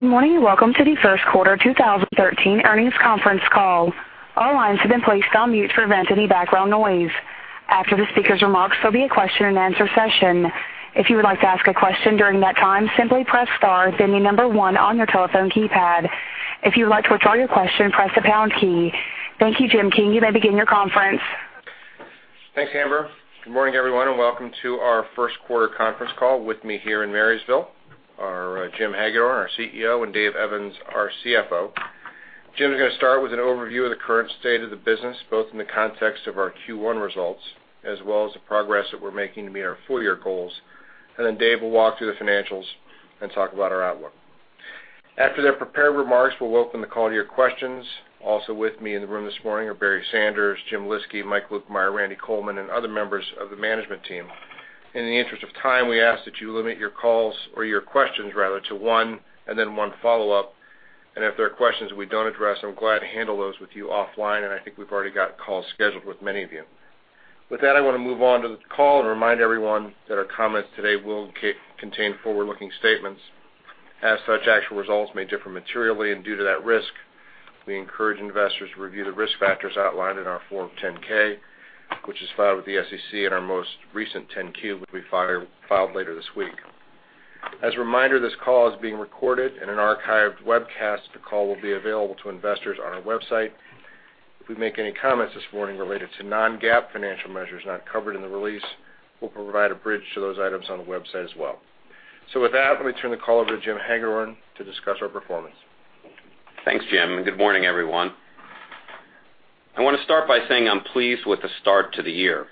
Good morning, welcome to the first quarter 2013 earnings conference call. All lines have been placed on mute to prevent any background noise. After the speakers' remarks, there will be a question and answer session. If you would like to ask a question during that time, simply press star, then the number 1 on your telephone keypad. If you would like to withdraw your question, press the pound key. Thank you, Jim King. You may begin your conference. Thanks, Amber. Good morning, everyone, welcome to our first quarter conference call. With me here in Marysville are Jim Hagedorn, our CEO, and Dave Evans, our CFO. Jim is going to start with an overview of the current state of the business, both in the context of our Q1 results as well as the progress that we are making to meet our full year goals. Dave will walk through the financials and talk about our outlook. After their prepared remarks, we will open the call to your questions. Also with me in the room this morning are Barry Sanders, Jim Lyski, Mike Lukemire, Randy Coleman, and other members of the management team. In the interest of time, we ask that you limit your calls or your questions rather to one, and then one follow-up. If there are questions we do not address, I am glad to handle those with you offline, and I think we have already got calls scheduled with many of you. With that, I want to move on to the call and remind everyone that our comments today will contain forward-looking statements. As such, actual results may differ materially, and due to that risk, we encourage investors to review the risk factors outlined in our Form 10-K, which is filed with the SEC in our most recent Form 10-Q, which we filed later this week. As a reminder, this call is being recorded in an archived webcast. The call will be available to investors on our website. If we make any comments this morning related to non-GAAP financial measures not covered in the release, we will provide a bridge to those items on the website as well. With that, let me turn the call over to Jim Hagedorn to discuss our performance. Thanks, Jim, and good morning, everyone. I want to start by saying I'm pleased with the start to the year.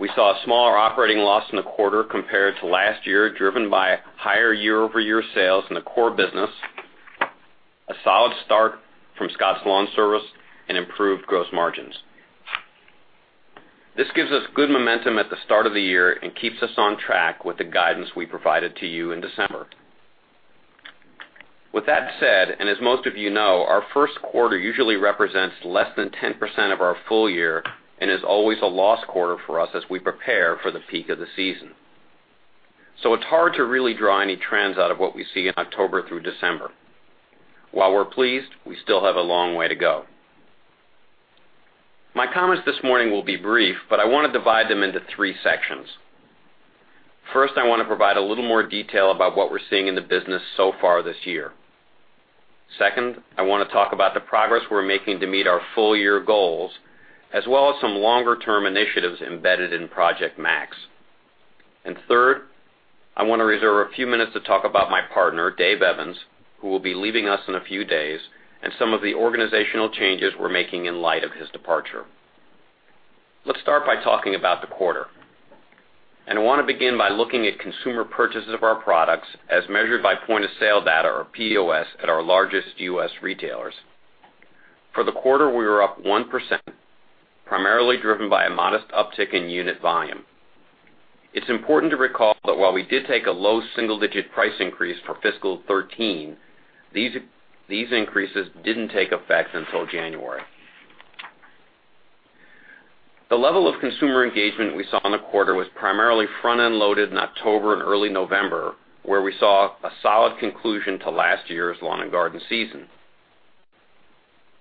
We saw a smaller operating loss in the quarter compared to last year, driven by higher year-over-year sales in the core business, a solid start from Scotts LawnService, and improved gross margins. This gives us good momentum at the start of the year and keeps us on track with the guidance we provided to you in December. With that said, and as most of you know, our first quarter usually represents less than 10% of our full year and is always a loss quarter for us as we prepare for the peak of the season. It's hard to really draw any trends out of what we see in October through December. While we're pleased, we still have a long way to go. My comments this morning will be brief. I want to divide them into three sections. First, I want to provide a little more detail about what we're seeing in the business so far this year. Second, I want to talk about the progress we're making to meet our full year goals, as well as some longer-term initiatives embedded in Project Max. Third, I want to reserve a few minutes to talk about my partner, Dave Evans, who will be leaving us in a few days, and some of the organizational changes we're making in light of his departure. Let's start by talking about the quarter. I want to begin by looking at consumer purchases of our products as measured by point of sale data or POS at our largest U.S. retailers. For the quarter, we were up 1%, primarily driven by a modest uptick in unit volume. It's important to recall that while we did take a low single-digit price increase for fiscal 2013, these increases didn't take effect until January. The level of consumer engagement we saw in the quarter was primarily front-end loaded in October and early November, where we saw a solid conclusion to last year's lawn and garden season.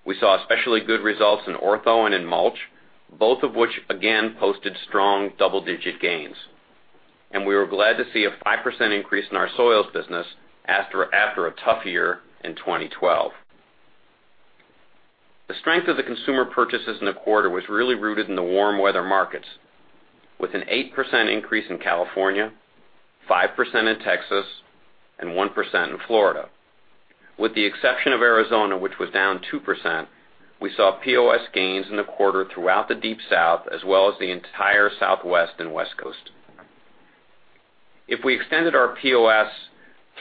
We saw especially good results in Ortho and in mulch, both of which again posted strong double-digit gains. We were glad to see a 5% increase in our soils business after a tough year in 2012. The strength of the consumer purchases in the quarter was really rooted in the warm weather markets with an 8% increase in California, 5% in Texas, and 1% in Florida. With the exception of Arizona, which was down 2%, we saw POS gains in the quarter throughout the Deep South as well as the entire Southwest and West Coast. If we extended our POS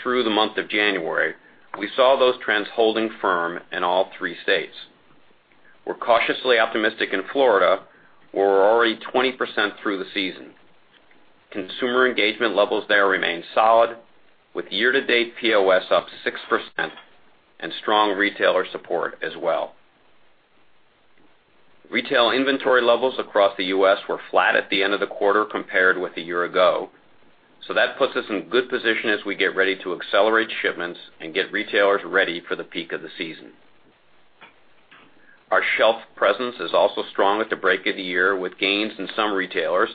through the month of January, we saw those trends holding firm in all three states. We're cautiously optimistic in Florida, where we're already 20% through the season. Consumer engagement levels there remain solid, with year-to-date POS up 6% and strong retailer support as well. Retail inventory levels across the U.S. were flat at the end of the quarter compared with a year ago. That puts us in good position as we get ready to accelerate shipments and get retailers ready for the peak of the season. Our shelf presence is also strong at the break of the year, with gains in some retailers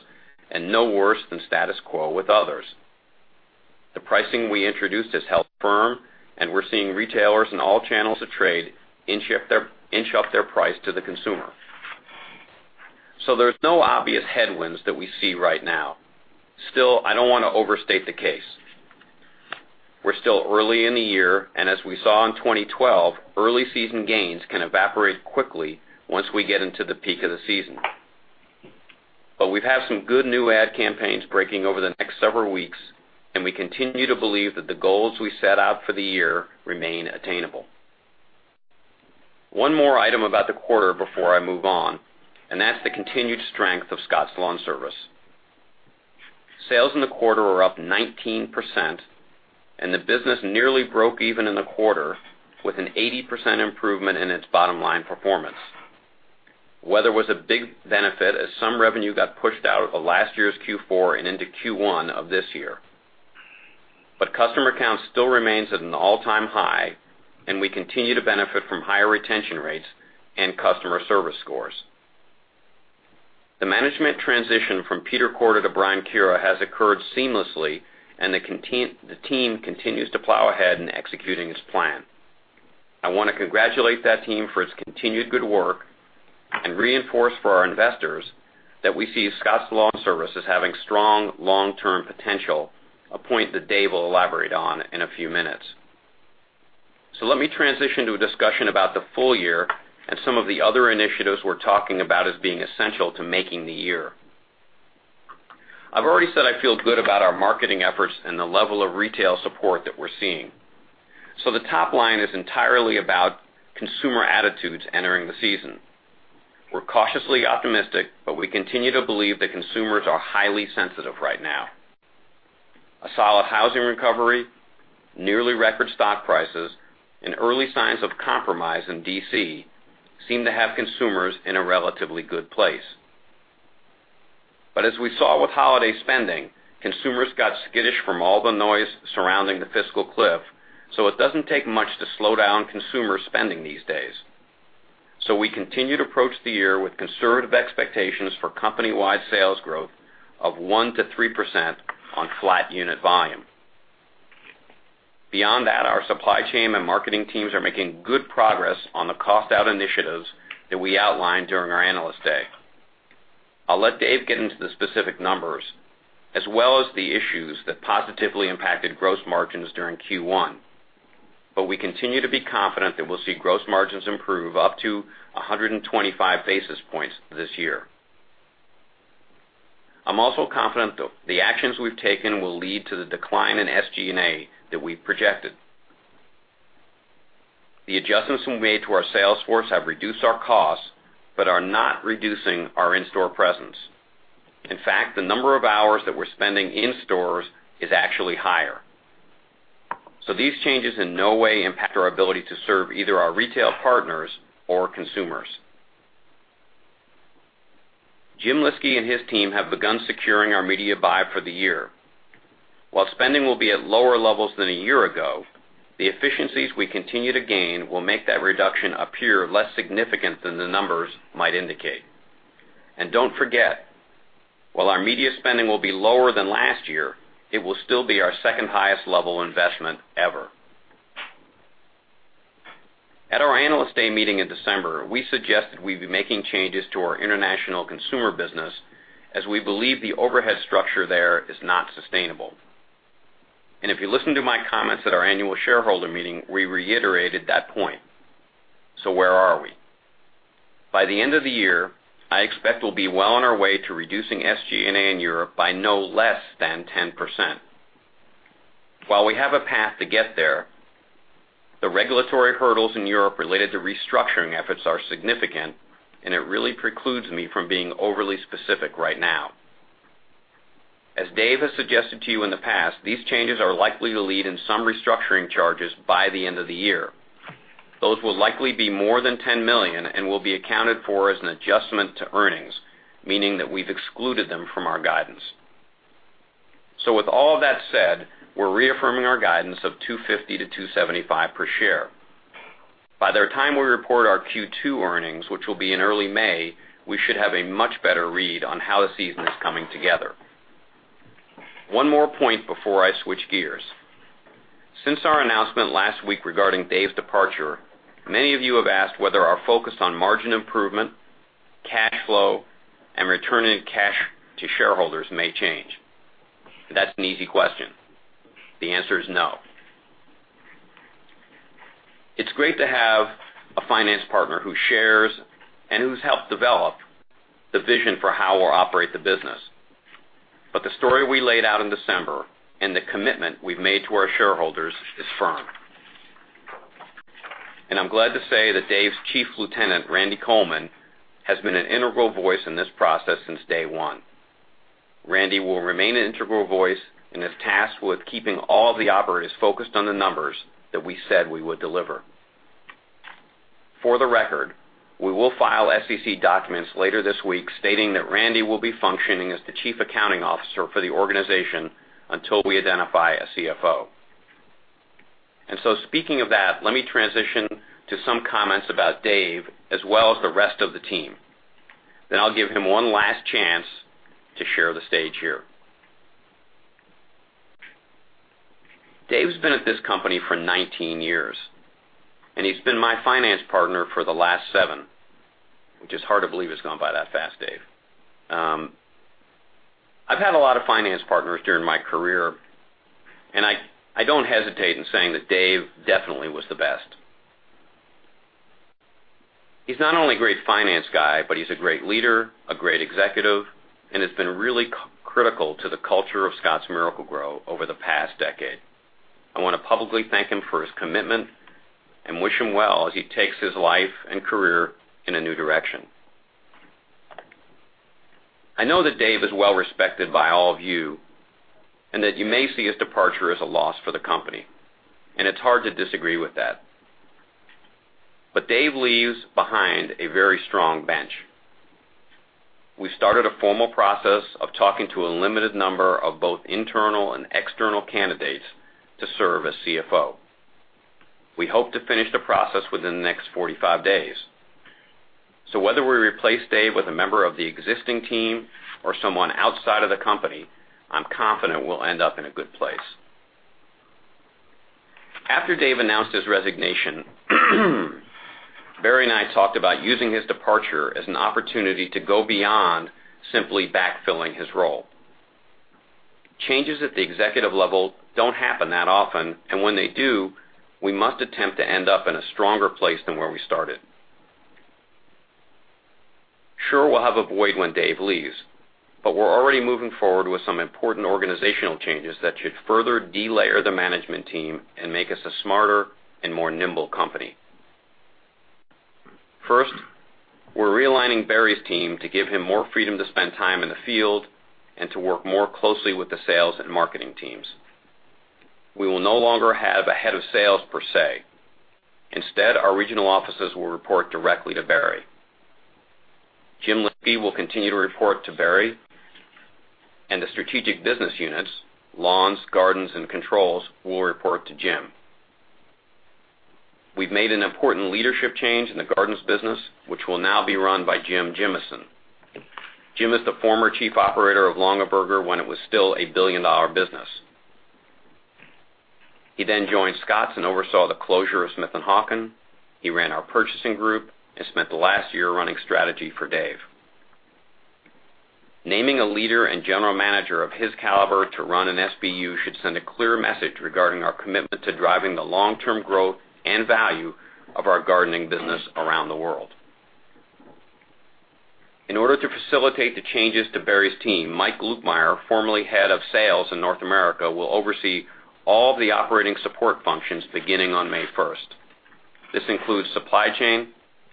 and no worse than status quo with others. The pricing we introduced has held firm. We're seeing retailers in all channels of trade inch up their price to the consumer. There's no obvious headwinds that we see right now. Still, I don't want to overstate the case. We're still early in the year. As we saw in 2012, early season gains can evaporate quickly once we get into the peak of the season. We have some good new ad campaigns breaking over the next several weeks. We continue to believe that the goals we set out for the year remain attainable. One more item about the quarter before I move on, that's the continued strength of Scotts LawnService. Sales in the quarter were up 19%. The business nearly broke even in the quarter with an 80% improvement in its bottom-line performance. Weather was a big benefit as some revenue got pushed out of last year's Q4 and into Q1 of this year. Customer count still remains at an all-time high. We continue to benefit from higher retention rates and customer service scores. The management transition from Peter Korda to Brian Kura has occurred seamlessly. The team continues to plow ahead in executing its plan. I want to congratulate that team for its continued good work and reinforce for our investors that we see Scotts LawnService as having strong long-term potential, a point that Dave will elaborate on in a few minutes. Let me transition to a discussion about the full year and some of the other initiatives we're talking about as being essential to making the year. I've already said I feel good about our marketing efforts and the level of retail support that we're seeing. The top line is entirely about consumer attitudes entering the season. We're cautiously optimistic. We continue to believe that consumers are highly sensitive right now. A solid housing recovery, nearly record stock prices, and early signs of compromise in D.C. seem to have consumers in a relatively good place. As we saw with holiday spending, consumers got skittish from all the noise surrounding the fiscal cliff. It doesn't take much to slow down consumer spending these days. We continue to approach the year with conservative expectations for company-wide sales growth of 1% to 3% on flat unit volume. Beyond that, our supply chain and marketing teams are making good progress on the cost-out initiatives that we outlined during our Analyst Day. I'll let Dave get into the specific numbers, as well as the issues that positively impacted gross margins during Q1. We continue to be confident that we'll see gross margins improve up to 125 basis points this year. I'm also confident the actions we've taken will lead to the decline in SG&A that we've projected. The adjustments we made to our sales force have reduced our costs but are not reducing our in-store presence. In fact, the number of hours that we're spending in stores is actually higher. These changes in no way impact our ability to serve either our retail partners or consumers. Jim Lyski and his team have begun securing our media buy for the year. While spending will be at lower levels than a year ago, the efficiencies we continue to gain will make that reduction appear less significant than the numbers might indicate. Don't forget, while our media spending will be lower than last year, it will still be our second highest level investment ever. At our Analyst Day meeting in December, we suggested we'd be making changes to our international consumer business as we believe the overhead structure there is not sustainable. If you listen to my comments at our annual shareholder meeting, we reiterated that point. Where are we? By the end of the year, I expect we'll be well on our way to reducing SG&A in Europe by no less than 10%. While we have a path to get there, the regulatory hurdles in Europe related to restructuring efforts are significant, it really precludes me from being overly specific right now. As Dave has suggested to you in the past, these changes are likely to lead in some restructuring charges by the end of the year. Those will likely be more than $10 million and will be accounted for as an adjustment to earnings, meaning that we've excluded them from our guidance. With all of that said, we're reaffirming our guidance of $2.50 to $2.75 per share. By the time we report our Q2 earnings, which will be in early May, we should have a much better read on how the season is coming together. One more point before I switch gears. Since our announcement last week regarding Dave's departure, many of you have asked whether our focus on margin improvement, cash flow, and returning cash to shareholders may change. That's an easy question. The answer is no. It's great to have a finance partner who shares and who's helped develop the vision for how we'll operate the business. The story we laid out in December and the commitment we've made to our shareholders is firm. I'm glad to say that Dave's chief lieutenant, Randy Coleman, has been an integral voice in this process since day one. Randy will remain an integral voice and is tasked with keeping all the operatives focused on the numbers that we said we would deliver. For the record, we will file SEC documents later this week stating that Randy will be functioning as the chief accounting officer for the organization until we identify a CFO. Speaking of that, let me transition to some comments about Dave as well as the rest of the team. I'll give him one last chance to share the stage here. Dave's been at this company for 19 years, he's been my finance partner for the last seven, which is hard to believe has gone by that fast, Dave. I've had a lot of finance partners during my career, I don't hesitate in saying that Dave definitely was the best. He's not only a great finance guy, he's a great leader, a great executive, and has been really critical to the culture of Scotts Miracle-Gro over the past decade. I want to publicly thank him for his commitment and wish him well as he takes his life and career in a new direction. I know that Dave is well respected by all of you, and that you may see his departure as a loss for the company, and it's hard to disagree with that. Dave leaves behind a very strong bench. We started a formal process of talking to a limited number of both internal and external candidates to serve as CFO. We hope to finish the process within the next 45 days. Whether we replace Dave with a member of the existing team or someone outside of the company, I'm confident we'll end up in a good place. After Dave announced his resignation, Barry and I talked about using his departure as an opportunity to go beyond simply backfilling his role. Changes at the executive level don't happen that often, and when they do, we must attempt to end up in a stronger place than where we started. Sure, we'll have a void when Dave leaves, but we're already moving forward with some important organizational changes that should further de-layer the management team and make us a smarter and more nimble company. First, we're realigning Barry's team to give him more freedom to spend time in the field and to work more closely with the sales and marketing teams. We will no longer have a head of sales per se. Instead, our regional offices will report directly to Barry. Jim Lyski will continue to report to Barry, and the strategic business units, lawns, gardens, and controls, will report to Jim. We've made an important leadership change in the gardens business, which will now be run by Jim Hagedorn. Jim is the former chief operator of The Longaberger Company when it was still a billion-dollar business. He joined Scotts and oversaw the closure of Smith & Hawken. He ran our purchasing group and spent the last year running strategy for Dave. Naming a leader and general manager of his caliber to run an SBU should send a clear message regarding our commitment to driving the long-term growth and value of our gardening business around the world. In order to facilitate the changes to Barry's team, Mike Lukemire, formerly head of sales in North America, will oversee all the operating support functions beginning on May 1st. This includes supply chain,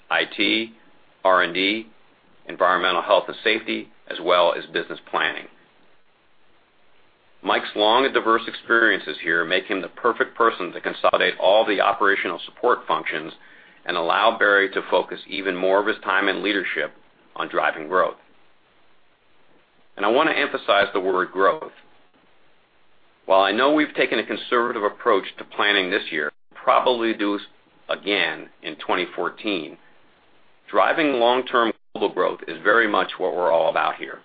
IT, R&D, environmental health and safety, as well as business planning. Mike's long and diverse experiences here make him the perfect person to consolidate all the operational support functions and allow Barry to focus even more of his time and leadership on driving growth. I want to emphasize the word growth. While I know we've taken a conservative approach to planning this year, probably do again in 2014, driving long-term global growth is very much what we're all about here.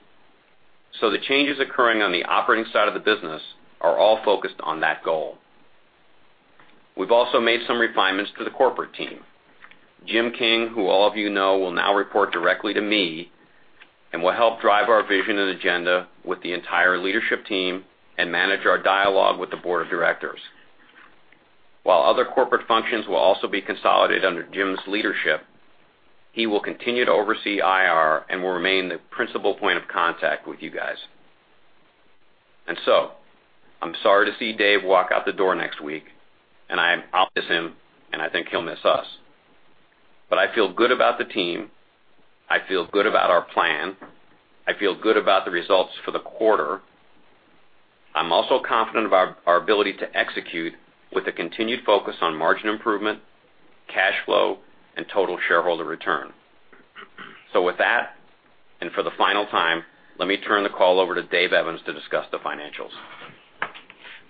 The changes occurring on the operating side of the business are all focused on that goal. We've also made some refinements to the corporate team. Jim King, who all of you know, will now report directly to me and will help drive our vision and agenda with the entire leadership team and manage our dialogue with the Board of Directors. While other corporate functions will also be consolidated under Jim's leadership, he will continue to oversee IR and will remain the principal point of contact with you guys. I'm sorry to see Dave walk out the door next week, and I'll miss him, and I think he'll miss us. I feel good about the team. I feel good about our plan. I feel good about the results for the quarter. I'm also confident of our ability to execute with a continued focus on margin improvement, cash flow, and total shareholder return. With that, and for the final time, let me turn the call over to Dave Evans to discuss the financials.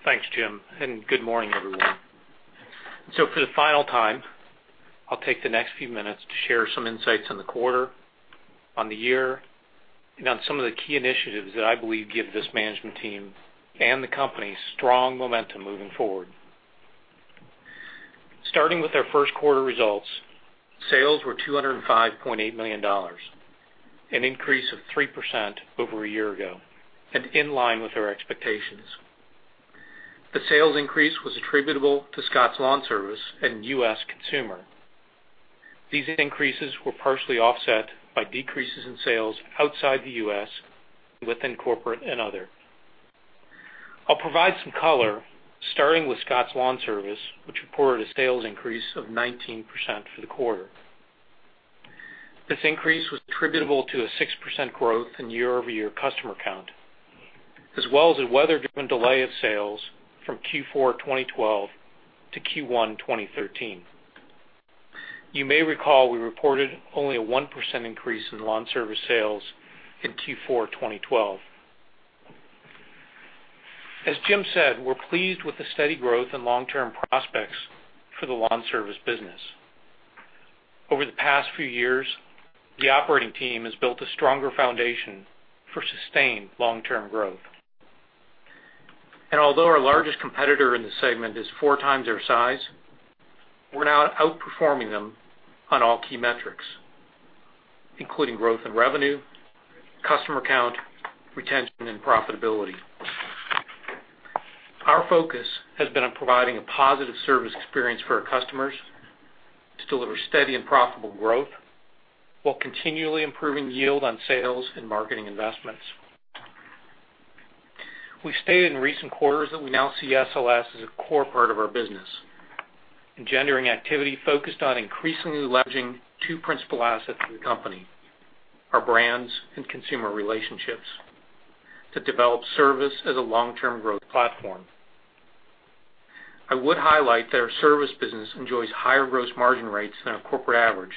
Thanks, Jim, and good morning, everyone. For the final time, I'll take the next few minutes to share some insights on the quarter, on the year, and on some of the key initiatives that I believe give this management team and the company strong momentum moving forward. Starting with our first quarter results, sales were $205.8 million, an increase of 3% over a year ago and in line with our expectations. The sales increase was attributable to Scotts LawnService and U.S. consumer. These increases were partially offset by decreases in sales outside the U.S., within corporate and other. I'll provide some color, starting with Scotts LawnService, which reported a sales increase of 19% for the quarter. This increase was attributable to a 6% growth in year-over-year customer count, as well as a weather-driven delay of sales from Q4 2012 to Q1 2013. You may recall we reported only a 1% increase in Scotts LawnService sales in Q4 2012. As Jim said, we're pleased with the steady growth and long-term prospects for the Scotts LawnService business. Over the past few years, the operating team has built a stronger foundation for sustained long-term growth. Although our largest competitor in this segment is four times our size, we're now outperforming them on all key metrics, including growth in revenue, customer count, retention, and profitability. Our focus has been on providing a positive service experience for our customers to deliver steady and profitable growth while continually improving yield on sales and marketing investments. We've stated in recent quarters that we now see SLS as a core part of our business, engendering activity focused on increasingly leveraging two principal assets of the company, our brands and consumer relationships, to develop service as a long-term growth platform. I would highlight that our service business enjoys higher gross margin rates than our corporate average,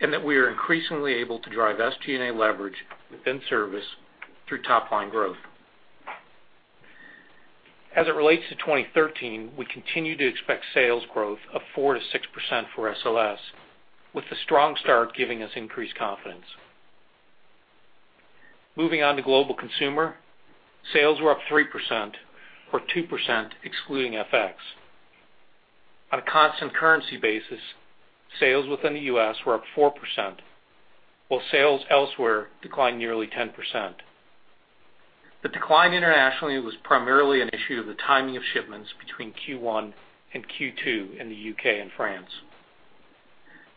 and that we are increasingly able to drive SG&A leverage within service through top-line growth. As it relates to 2013, we continue to expect sales growth of 4%-6% for SLS, with the strong start giving us increased confidence. Moving on to Global Consumer, sales were up 3%, or 2% excluding FX. On a constant currency basis, sales within the U.S. were up 4%, while sales elsewhere declined nearly 10%. The decline internationally was primarily an issue of the timing of shipments between Q1 and Q2 in the U.K. and France.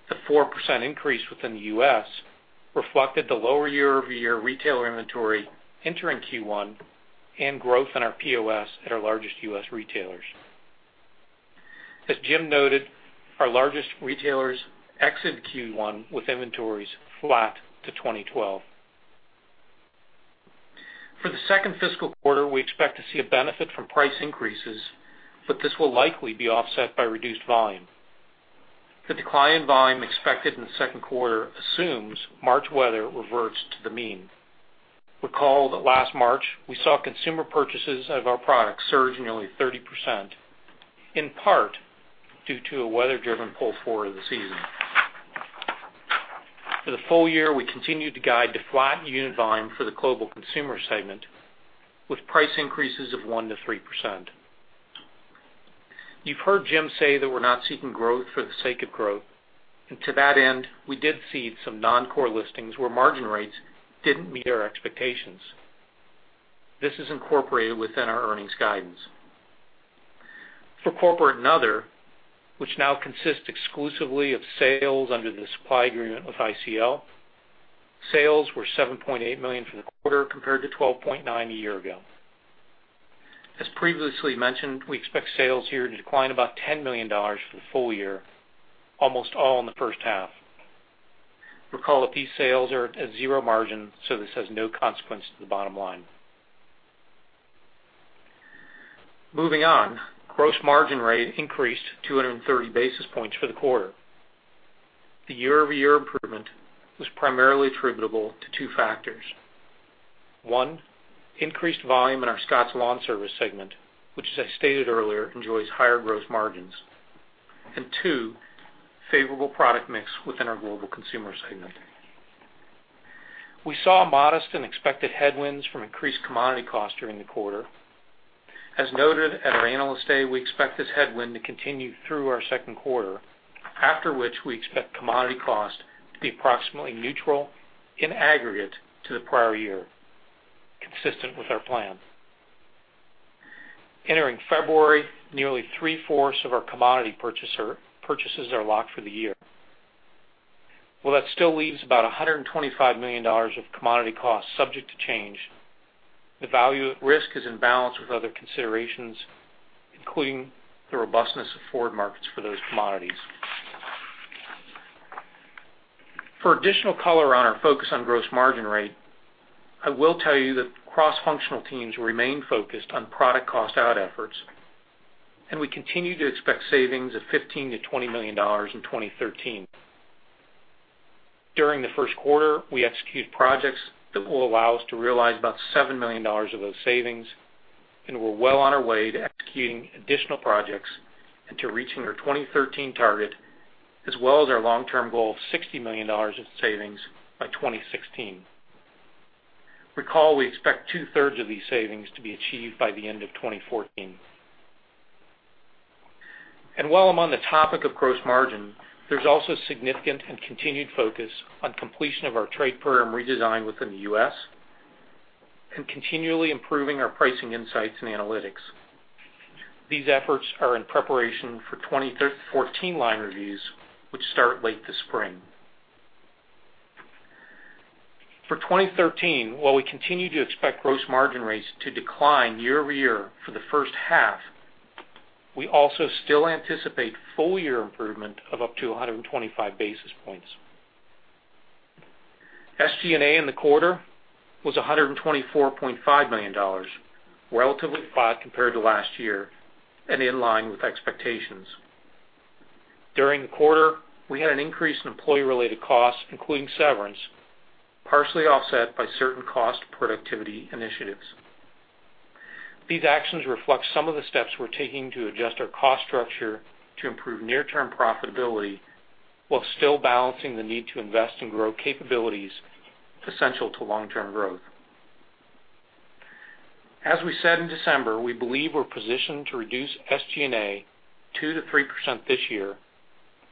The 4% increase within the U.S. reflected the lower year-over-year retailer inventory entering Q1 and growth in our POS at our largest U.S. retailers. As Jim noted, our largest retailers exit Q1 with inventories flat to 2012. For the second fiscal quarter, we expect to see a benefit from price increases, but this will likely be offset by reduced volume. The decline in volume expected in the second quarter assumes March weather reverts to the mean. Recall that last March, we saw consumer purchases of our products surge nearly 30%, in part due to a weather-driven pull forward of the season. For the full year, we continue to guide to flat unit volume for the Global Consumer segment, with price increases of 1% to 3%. You've heard Jim say that we're not seeking growth for the sake of growth, and to that end, we did cede some non-core listings where margin rates didn't meet our expectations. This is incorporated within our earnings guidance. For Corporate and Other, which now consists exclusively of sales under the supply agreement with ICL, sales were $7.8 million for the quarter, compared to $12.9 a year ago. As previously mentioned, we expect sales here to decline about $10 million for the full year, almost all in the first half. Recall that these sales are at zero margin, so this has no consequence to the bottom line. Moving on, gross margin rate increased 230 basis points for the quarter. The year-over-year improvement was primarily attributable to two factors. One, increased volume in our Scotts LawnService segment, which, as I stated earlier, enjoys higher gross margins. Two, favorable product mix within our Global Consumer segment. We saw modest and expected headwinds from increased commodity costs during the quarter. As noted at our Analyst Day, we expect this headwind to continue through our second quarter, after which we expect commodity cost to be approximately neutral in aggregate to the prior year, consistent with our plan. Entering February, nearly three-fourths of our commodity purchases are locked for the year. While that still leaves about $125 million of commodity costs subject to change, the value at risk is in balance with other considerations, including the robustness of forward markets for those commodities. For additional color on our focus on gross margin rate, I will tell you that cross-functional teams remain focused on product cost-out efforts, and we continue to expect savings of $15 million-$20 million in 2013. During the first quarter, we executed projects that will allow us to realize about $7 million of those savings, and we're well on our way to executing additional projects and to reaching our 2013 target, as well as our long-term goal of $60 million in savings by 2016. Recall, we expect two-thirds of these savings to be achieved by the end of 2014. While I'm on the topic of gross margin, there's also significant and continued focus on completion of our trade program redesign within the U.S. and continually improving our pricing insights and analytics. These efforts are in preparation for 2014 line reviews, which start late this spring. For 2013, while we continue to expect gross margin rates to decline year-over-year for the first half, we also still anticipate full-year improvement of up to 125 basis points. SG&A in the quarter was $124.5 million, relatively flat compared to last year and in line with expectations. During the quarter, we had an increase in employee-related costs, including severance, partially offset by certain cost productivity initiatives. These actions reflect some of the steps we are taking to adjust our cost structure to improve near-term profitability while still balancing the need to invest in growth capabilities essential to long-term growth. As we said in December, we believe we are positioned to reduce SG&A 2%-3% this year,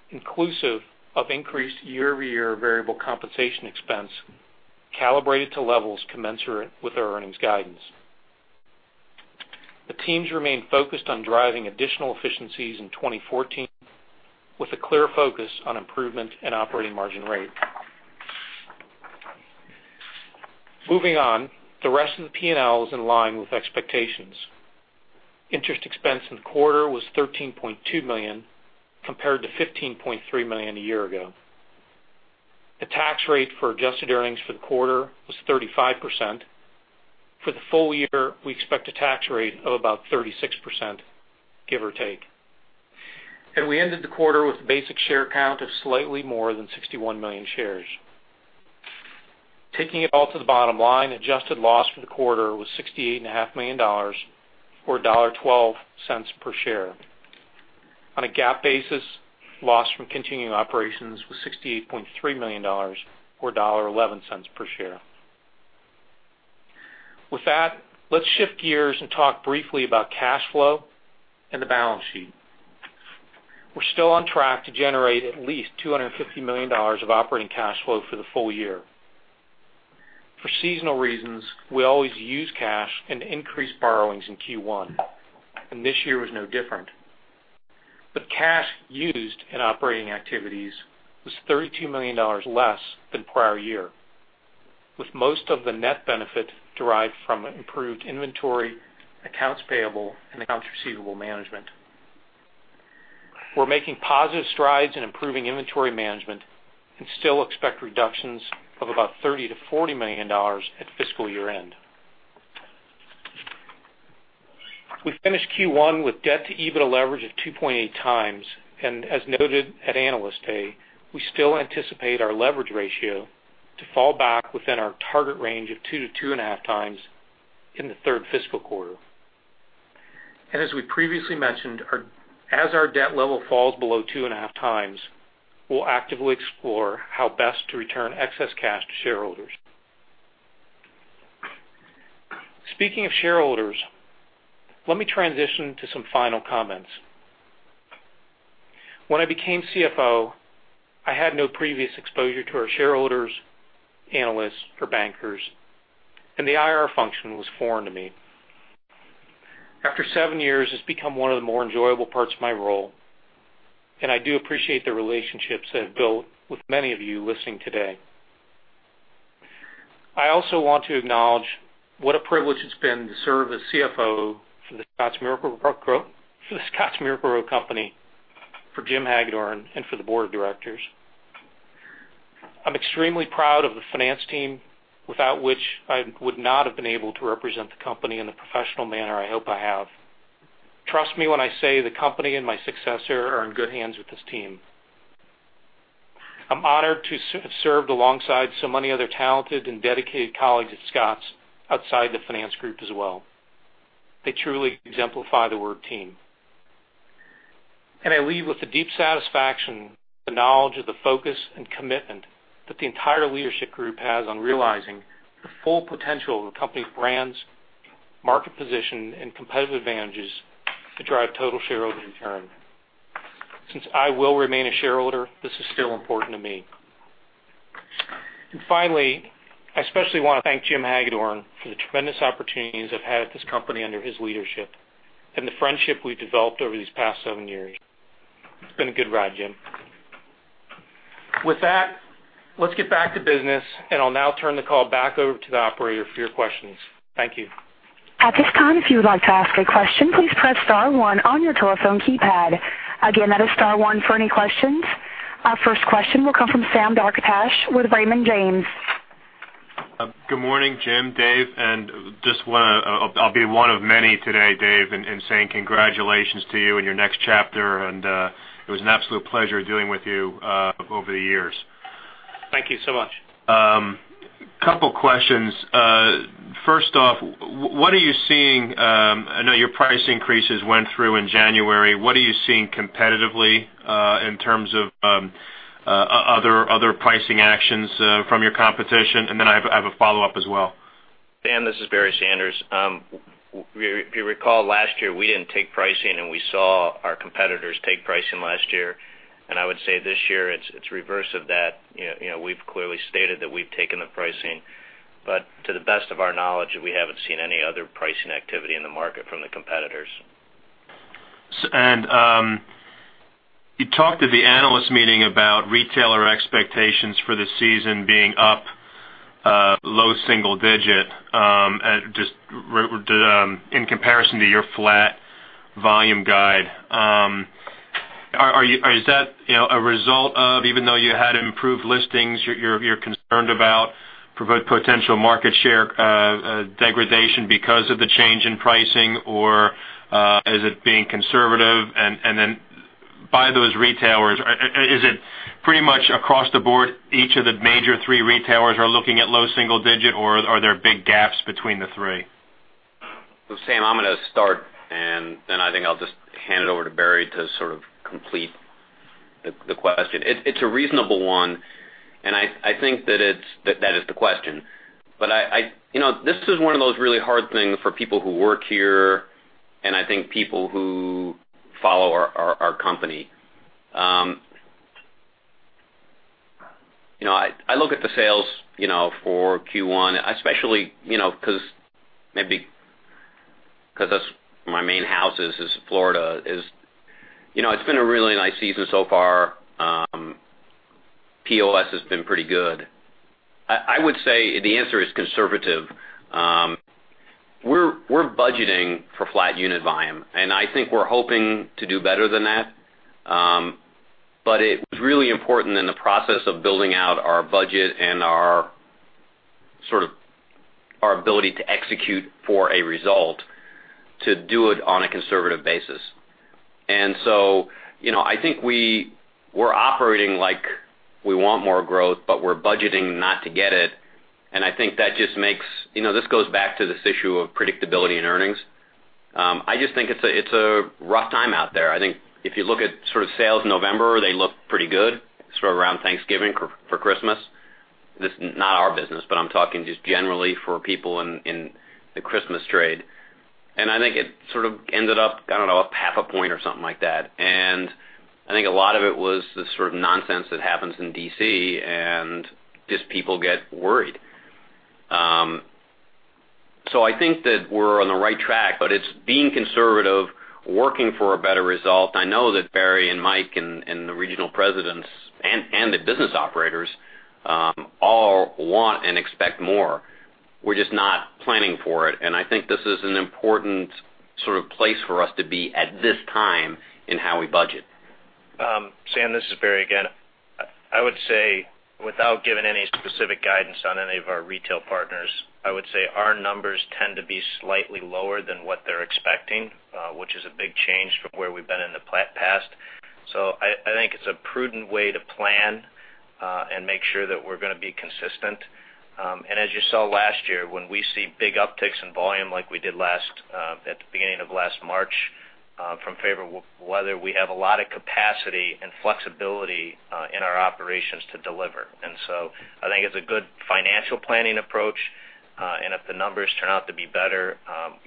inclusive of increased year-over-year variable compensation expense calibrated to levels commensurate with our earnings guidance. The teams remain focused on driving additional efficiencies in 2014 with a clear focus on improvement in operating margin rate. The rest of the P&L is in line with expectations. Interest expense in the quarter was $13.2 million, compared to $15.3 million a year ago. The tax rate for adjusted earnings for the quarter was 35%. For the full year, we expect a tax rate of about 36%, give or take. We ended the quarter with a basic share count of slightly more than 61 million shares. Taking it all to the bottom line, adjusted loss for the quarter was $68.5 million, or $0.12 per share. On a GAAP basis, loss from continuing operations was $68.3 million, or $0.11 per share. Let's shift gears and talk briefly about cash flow and the balance sheet. We are still on track to generate at least $250 million of operating cash flow for the full year. For seasonal reasons, we always use cash and increase borrowings in Q1, this year was no different. Cash used in operating activities was $32 million less than prior year, with most of the net benefit derived from improved inventory, accounts payable, and accounts receivable management. We are making positive strides in improving inventory management and still expect reductions of about $30 million-$40 million at fiscal year-end. We finished Q1 with debt-to-EBITDA leverage of 2.8 times, and as noted at Analyst Day, we still anticipate our leverage ratio to fall back within our target range of 2 to 2.5 times in the third fiscal quarter. As we previously mentioned, as our debt level falls below 2.5 times, we will actively explore how best to return excess cash to shareholders. Speaking of shareholders, let me transition to some final comments. When I became CFO, I had no previous exposure to our shareholders, analysts, or bankers, and the IR function was foreign to me. After seven years, it has become one of the more enjoyable parts of my role, and I do appreciate the relationships I have built with many of you listening today. I also want to acknowledge what a privilege it has been to serve as CFO for The Scotts Miracle-Gro Company, for Jim Hagedorn, and for the board of directors. I am extremely proud of the finance team, without which I would not have been able to represent the company in the professional manner I hope I have. Trust me when I say the company and my successor are in good hands with this team. I am honored to have served alongside so many other talented and dedicated colleagues at Scotts outside the finance group as well. They truly exemplify the word team. I leave with the deep satisfaction, the knowledge of the focus and commitment that the entire leadership group has on realizing the full potential of the company's brands, market position, and competitive advantages to drive total shareholder return. Since I will remain a shareholder, this is still important to me. Finally, I especially want to thank Jim Hagedorn for the tremendous opportunities I've had at this company under his leadership and the friendship we've developed over these past seven years. It's been a good ride, Jim. With that, let's get back to business. I'll now turn the call back over to the operator for your questions. Thank you. At this time, if you would like to ask a question, please press star one on your telephone keypad. Again, that is star one for any questions. Our first question will come from Sam Darkatsh with Raymond James. Good morning, Jim, Dave. I'll be one of many today, Dave, in saying congratulations to you in your next chapter. It was an absolute pleasure dealing with you over the years. Thank you so much. Couple questions. First off, I know your price increases went through in January. What are you seeing competitively in terms of other pricing actions from your competition? Then I have a follow-up as well. Sam, this is Barry Sanders. If you recall, last year we didn't take pricing and we saw our competitors take pricing last year. I would say this year it's reverse of that. We've clearly stated that we've taken the pricing. To the best of our knowledge, we haven't seen any other pricing activity in the market from the competitors. You talked at the analyst meeting about retailer expectations for the season being up low single digit in comparison to your flat volume guide. Is that a result of, even though you had improved listings, you're concerned about potential market share degradation because of the change in pricing? Is it being conservative? By those retailers, is it pretty much across the board, each of the major three retailers are looking at low single digit, or are there big gaps between the three? Sam, I'm going to start, and then I think I'll just hand it over to Barry to sort of complete the question. It's a reasonable one, and I think that is the question. This is one of those really hard things for people who work here and I think people who follow our company. I look at the sales for Q1, especially because maybe because that's my main house is Florida. It's been a really nice season so far. POS has been pretty good. I would say the answer is conservative. We're budgeting for flat unit volume. I think we're hoping to do better than that. It was really important in the process of building out our budget and our ability to execute for a result, to do it on a conservative basis. I think we're operating like we want more growth, but we're budgeting not to get it. I think that just makes. This goes back to this issue of predictability in earnings. I just think it's a rough time out there. I think if you look at sort of sales in November, they look pretty good, sort of around Thanksgiving for Christmas. This is not our business. I'm talking just generally for people in the Christmas trade. I think it sort of ended up, I don't know, up half a point or something like that. I think a lot of it was the sort of nonsense that happens in D.C. and just people get worried. I think that we're on the right track, but it's being conservative, working for a better result. I know that Barry and Mike and the regional presidents and the business operators, all want and expect more. We're just not planning for it. I think this is an important sort of place for us to be at this time in how we budget. Sam, this is Barry again. I would say, without giving any specific guidance on any of our retail partners, I would say our numbers tend to be slightly lower than what they're expecting, which is a big change from where we've been in the past. I think it's a prudent way to plan, and make sure that we're going to be consistent. As you saw last year, when we see big upticks in volume like we did at the beginning of last March from favorable weather, we have a lot of capacity and flexibility in our operations to deliver. I think it's a good financial planning approach. If the numbers turn out to be better,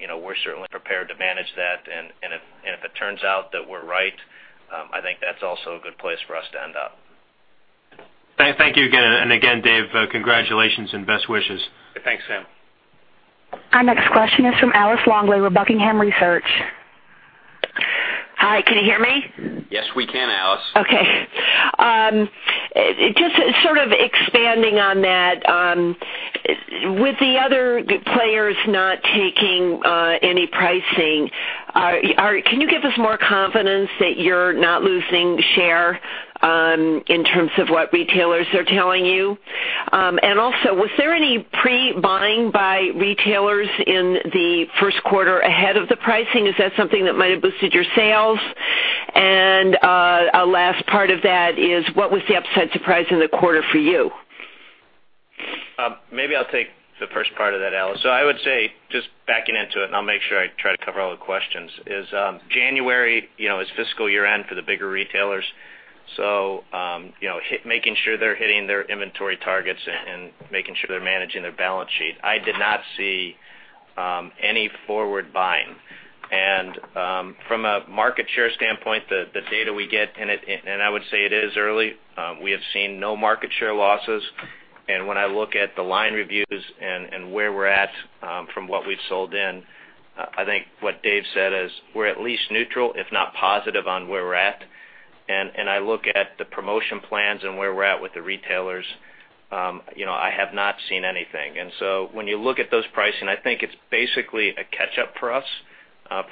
we're certainly prepared to manage that. If it turns out that we're right, I think that's also a good place for us to end up. Thank you again. Again, Dave, congratulations and best wishes. Thanks, Sam. Our next question is from Alice Longley with Buckingham Research. Hi, can you hear me? Yes, we can, Alice. Okay. Just sort of expanding on that. With the other players not taking any pricing, can you give us more confidence that you're not losing share, in terms of what retailers are telling you? Also, was there any pre-buying by retailers in the first quarter ahead of the pricing? Is that something that might have boosted your sales? Last part of that is, what was the upside surprise in the quarter for you? Maybe I'll take the first part of that, Alice. I would say, just backing into it, and I'll make sure I try to cover all the questions, is January is fiscal year-end for the bigger retailers. Making sure they're hitting their inventory targets and making sure they're managing their balance sheet. I did not see any forward buying. From a market share standpoint, the data we get, and I would say it is early, we have seen no market share losses. When I look at the line reviews and where we're at from what we've sold in, I think what Dave said is we're at least neutral, if not positive on where we're at. I look at the promotion plans and where we're at with the retailers. I have not seen anything. When you look at those pricing, I think it's basically a catch-up for us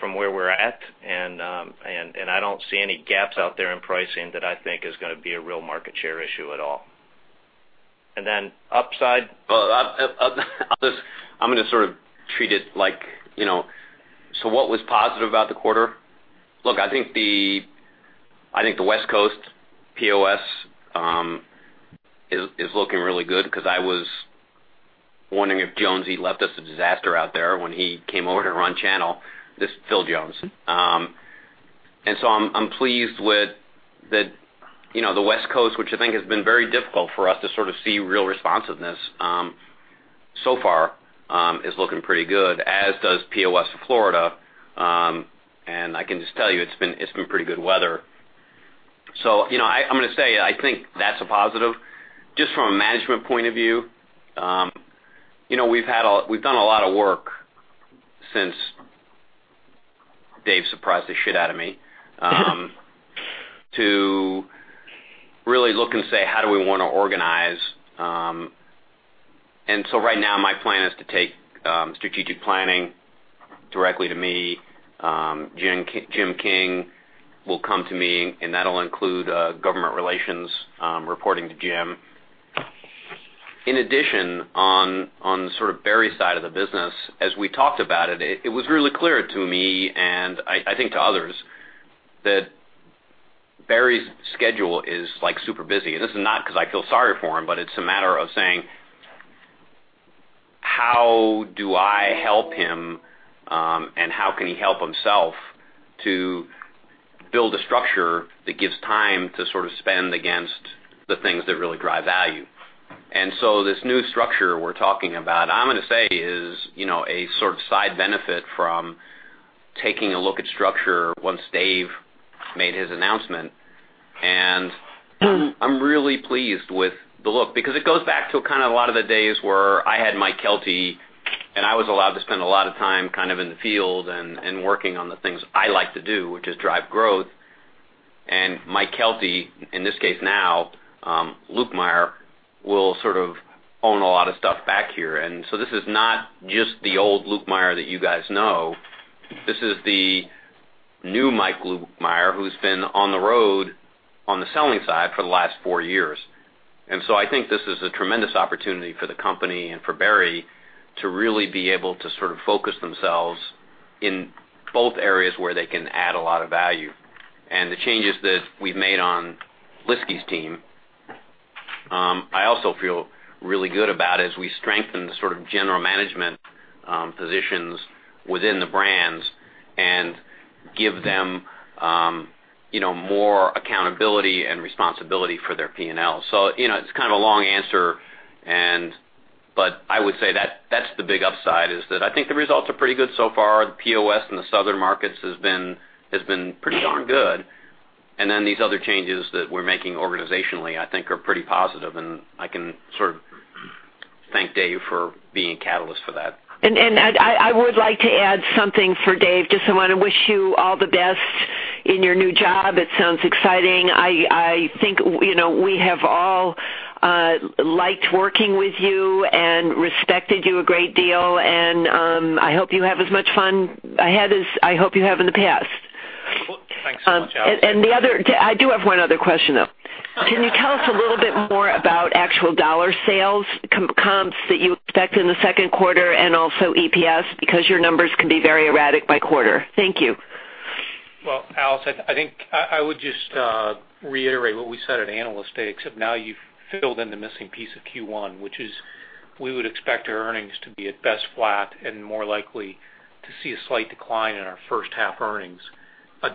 from where we're at. I don't see any gaps out there in pricing that I think is going to be a real market share issue at all. Upside? I'm going to sort of treat it like, what was positive about the quarter? Look, I think the West Coast POS is looking really good because I was wondering if Jonesy left us a disaster out there when he came over to run Channel. This is Phil Jones. I'm pleased with the West Coast, which I think has been very difficult for us to sort of see real responsiveness, so far, is looking pretty good, as does POS Florida. I can just tell you, it's been pretty good weather. I'm going to say, I think that's a positive. Just from a management point of view. We've done a lot of work since Dave surprised the shit out of me, to really look and say, how do we want to organize? Right now my plan is to take strategic planning directly to me. Jim King will come to me, and that'll include government relations, reporting to Jim. In addition, on sort of Barry's side of the business, as we talked about it was really clear to me and I think to others that Barry's schedule is super busy. This is not because I feel sorry for him, but it's a matter of saying, how do I help him? How can he help himself to build a structure that gives time to sort of spend against the things that really drive value. This new structure we're talking about, I'm going to say is a sort of side benefit from taking a look at structure once Dave made his announcement. I'm really pleased with the look, because it goes back to kind of a lot of the days where I had Mike Kelty, I was allowed to spend a lot of time kind of in the field and working on the things I like to do, which is drive growth. Mike Kelty, in this case now, Lukemire will sort of own a lot of stuff back here. This is not just the old Lukemire that you guys know. This is the new Mike Lukemire, who's been on the road, on the selling side for the last four years. I think this is a tremendous opportunity for the company and for Barry to really be able to sort of focus themselves in both areas where they can add a lot of value. The changes that we've made on Lyski's team, I also feel really good about as we strengthen the sort of general management positions within the brands and give them more accountability and responsibility for their P&L. It's kind of a long answer, but I would say that's the big upside, is that I think the results are pretty good so far. The POS in the Southern markets has been pretty darn good. These other changes that we're making organizationally, I think, are pretty positive, I can sort of thank Dave for being a catalyst for that. I would like to add something for Dave. I want to wish you all the best in your new job. It sounds exciting. I think we have all liked working with you and respected you a great deal. I hope you have as much fun ahead as I hope you have in the past. Thanks so much, Alice. I do have one other question, though. Can you tell us a little bit more about actual dollar sales comps that you expect in the second quarter and also EPS? Because your numbers can be very erratic by quarter. Thank you. Well, Alice, I think I would just reiterate what we said at Analyst Day, except now you've filled in the missing piece of Q1, which is we would expect our earnings to be at best flat and more likely to see a slight decline in our first half earnings,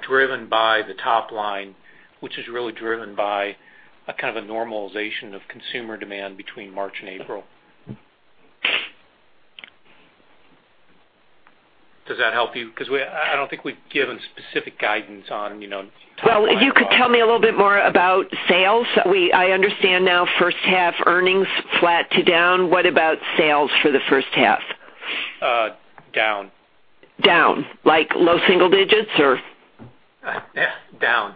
driven by the top line, which is really driven by a kind of a normalization of consumer demand between March and April. Does that help you? Because I don't think we've given specific guidance on top line. Well, if you could tell me a little bit more about sales. I understand now first half earnings, flat to down. What about sales for the first half? Down. Down. Like low single digits or? Down.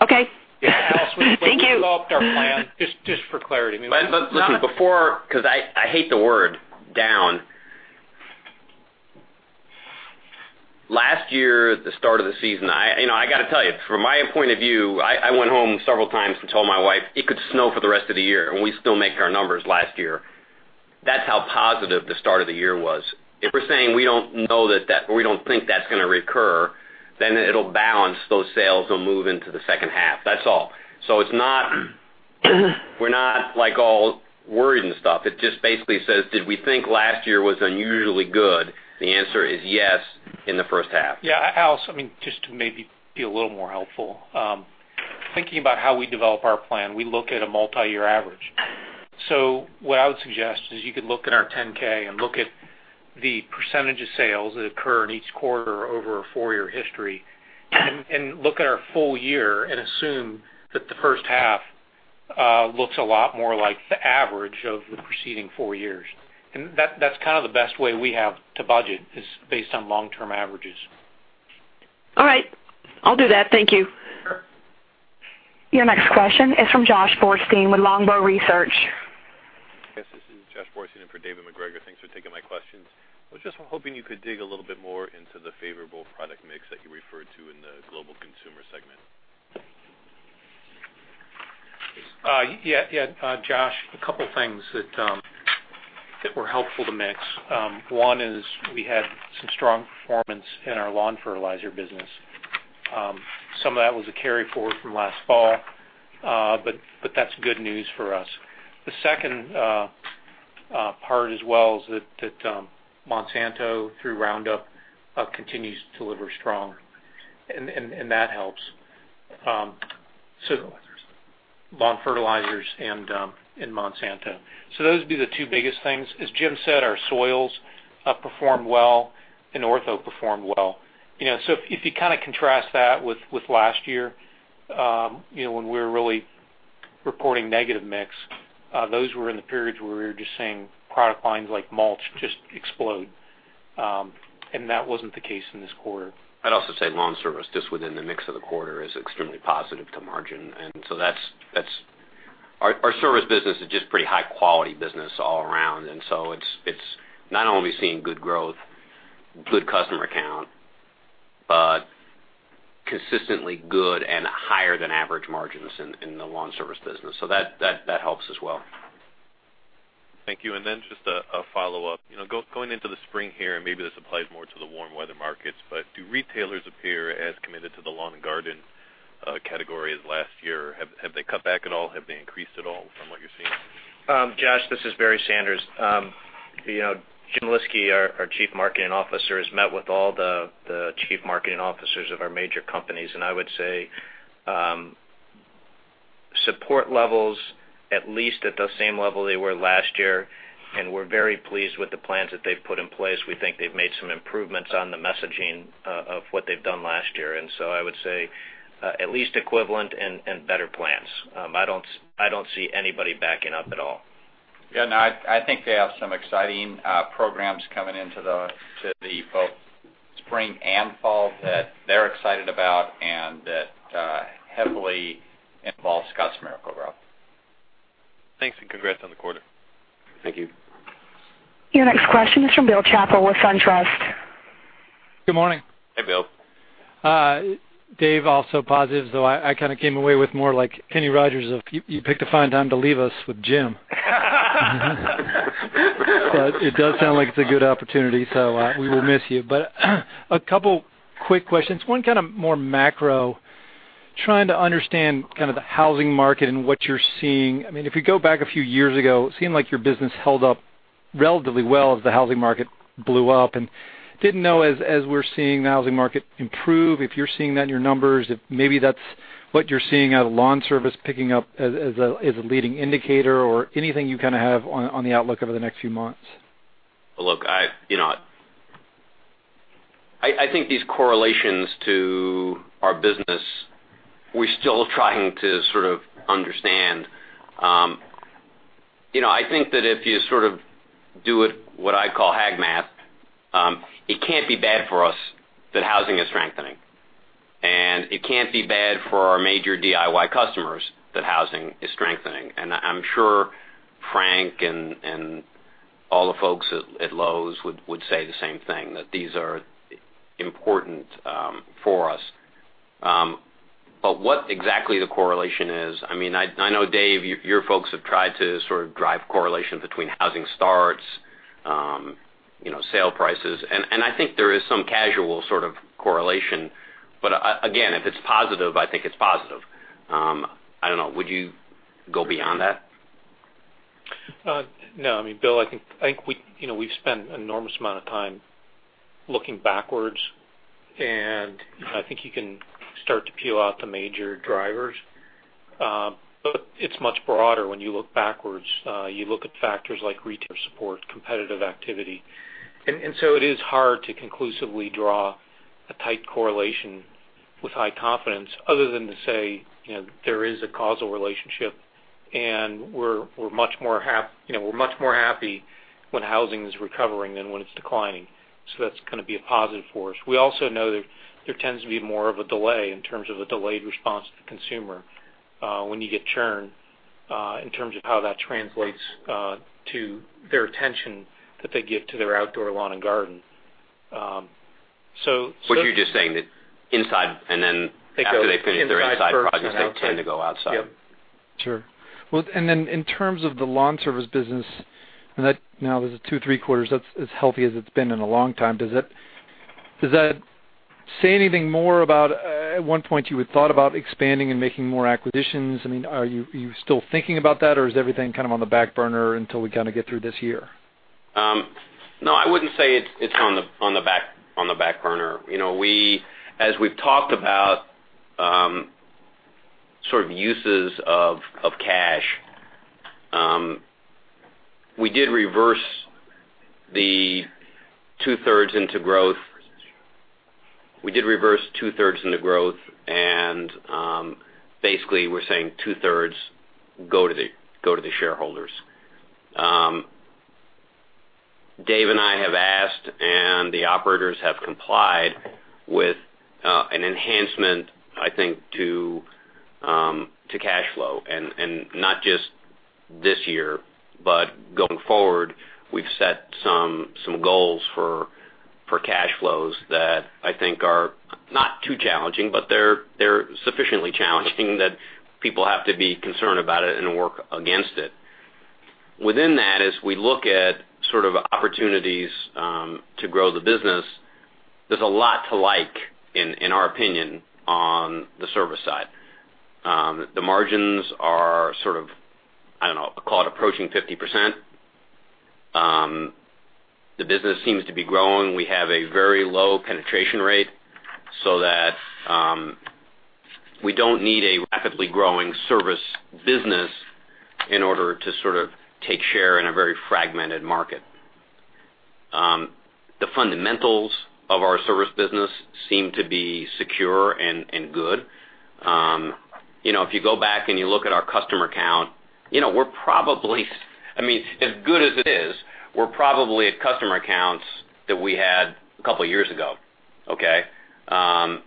Okay. Yeah. Thank you. Alice, when we developed our plan, just for clarity, I mean, Listen, before, because I hate the word down. Last year, the start of the season, I got to tell you, from my point of view, I went home several times and told my wife, "It could snow for the rest of the year, and we still make our numbers last year." That's how positive the start of the year was. If we're saying we don't know that, or we don't think that's going to recur, then it'll balance. Those sales will move into the second half. That's all. We're not like all worried and stuff. It just basically says, did we think last year was unusually good? The answer is yes, in the first half. Yeah. Alice, just to maybe be a little more helpful. Thinking about how we develop our plan, we look at a multi-year average. What I would suggest is you could look at our 10-K and look at the percentage of sales that occur in each quarter over a four-year history and look at our full year and assume that the first half looks a lot more like the average of the preceding four years. That's kind of the best way we have to budget, is based on long-term averages. All right. I'll do that. Thank you. Sure. Your next question is from Joshua Borstein with Longbow Research. Yes, this is Joshua Borstein in for David Macgregor. Thanks for taking my questions. I was just hoping you could dig a little bit more into the favorable product mix that you referred to in the Global Consumer segment. Yeah. Josh, a couple things that were helpful to mix. One is we had some strong performance in our lawn fertilizer business. Some of that was a carry forward from last fall. That's good news for us. The second part as well is that Monsanto, through Roundup, continues to deliver strong, that helps. Fertilizers. Lawn fertilizers and Monsanto. Those would be the two biggest things. As Jim said, our soils performed well and Ortho performed well. If you kind of contrast that with last year, when we were really reporting negative mix, those were in the periods where we were just seeing product lines like mulch just explode. That wasn't the case in this quarter. I'd also say lawn service, just within the mix of the quarter, is extremely positive to margin. Our service business is just pretty high-quality business all around. It's not only seeing good growth, good customer count, but consistently good and higher than average margins in the lawn service business. That helps as well. Thank you. Then just a follow-up. Going into the spring here, maybe this applies more to the warm weather markets, do retailers appear as committed to the lawn and garden category as last year? Have they cut back at all? Have they increased at all from what you're seeing? Josh, this is Barry Sanders. Jim Lyski, our Chief Marketing Officer, has met with all the chief marketing officers of our major companies. I would say Support levels, at least at the same level they were last year. We're very pleased with the plans that they've put in place. We think they've made some improvements on the messaging of what they've done last year. I would say, at least equivalent and better plans. I don't see anybody backing up at all. Yeah. No, I think they have some exciting programs coming into both spring and fall that they're excited about and that heavily involve Scotts Miracle-Gro. Thanks, congrats on the quarter. Thank you. Your next question is from Bill Chappell with SunTrust. Good morning. Hey, Bill. Dave, also positive, though I kind of came away with more like Kenny Rogers of, "You picked a fine time to leave us" with Jim. It does sound like it's a good opportunity, so we will miss you. A couple quick questions. One kind of more macro, trying to understand kind of the housing market and what you're seeing. If you go back a few years ago, it seemed like your business held up relatively well as the housing market blew up and didn't know as we're seeing the housing market improve, if you're seeing that in your numbers, if maybe that's what you're seeing out of lawn service picking up as a leading indicator or anything you kind of have on the outlook over the next few months. Look, I think these correlations to our business, we're still trying to sort of understand. I think that if you sort of do it, what I call hagmap, it can't be bad for us that housing is strengthening. It can't be bad for our major DIY customers that housing is strengthening. I'm sure Frank and all the folks at Lowe's would say the same thing, that these are important for us. What exactly the correlation is, I know, Dave, your folks have tried to sort of drive correlation between housing starts, sale prices, and I think there is some casual sort of correlation. Again, if it's positive, I think it's positive. I don't know. Would you go beyond that? No. Bill, I think we've spent an enormous amount of time looking backwards, and I think you can start to peel out the major drivers. It's much broader when you look backwards. You look at factors like retail support, competitive activity. It is hard to conclusively draw a tight correlation with high confidence other than to say there is a causal relationship, and we're much more happy when housing is recovering than when it's declining. That's going to be a positive force. We also know that there tends to be more of a delay in terms of a delayed response to the consumer when you get churn, in terms of how that translates to their attention that they give to their outdoor lawn and garden. You're just saying that inside, and then after they finish their inside projects, they tend to go outside. Yep. Sure. In terms of the lawn service business, now those two, three quarters, that's as healthy as it's been in a long time. Does that say anything more about, at one point you had thought about expanding and making more acquisitions? Are you still thinking about that, or is everything kind of on the back burner until we kind of get through this year? No, I wouldn't say it's on the back burner. As we've talked about sort of uses of cash, we did reverse the two-thirds into growth. We did reverse two-thirds into growth. Basically, we're saying two-thirds go to the shareholders. Dave and I have asked. The operators have complied with an enhancement, I think, to cash flow. Not just this year, but going forward, we've set some goals for cash flows that I think are not too challenging, but they're sufficiently challenging that people have to be concerned about it and work against it. Within that, as we look at sort of opportunities to grow the business, there's a lot to like in our opinion on the service side. The margins are sort of, I don't know, call it approaching 50%. The business seems to be growing. We have a very low penetration rate so that we don't need a rapidly growing service business in order to sort of take share in a very fragmented market. The fundamentals of our service business seem to be secure and good. If you go back and you look at our customer count, as good as it is, we're probably at customer counts that we had a couple of years ago, okay? As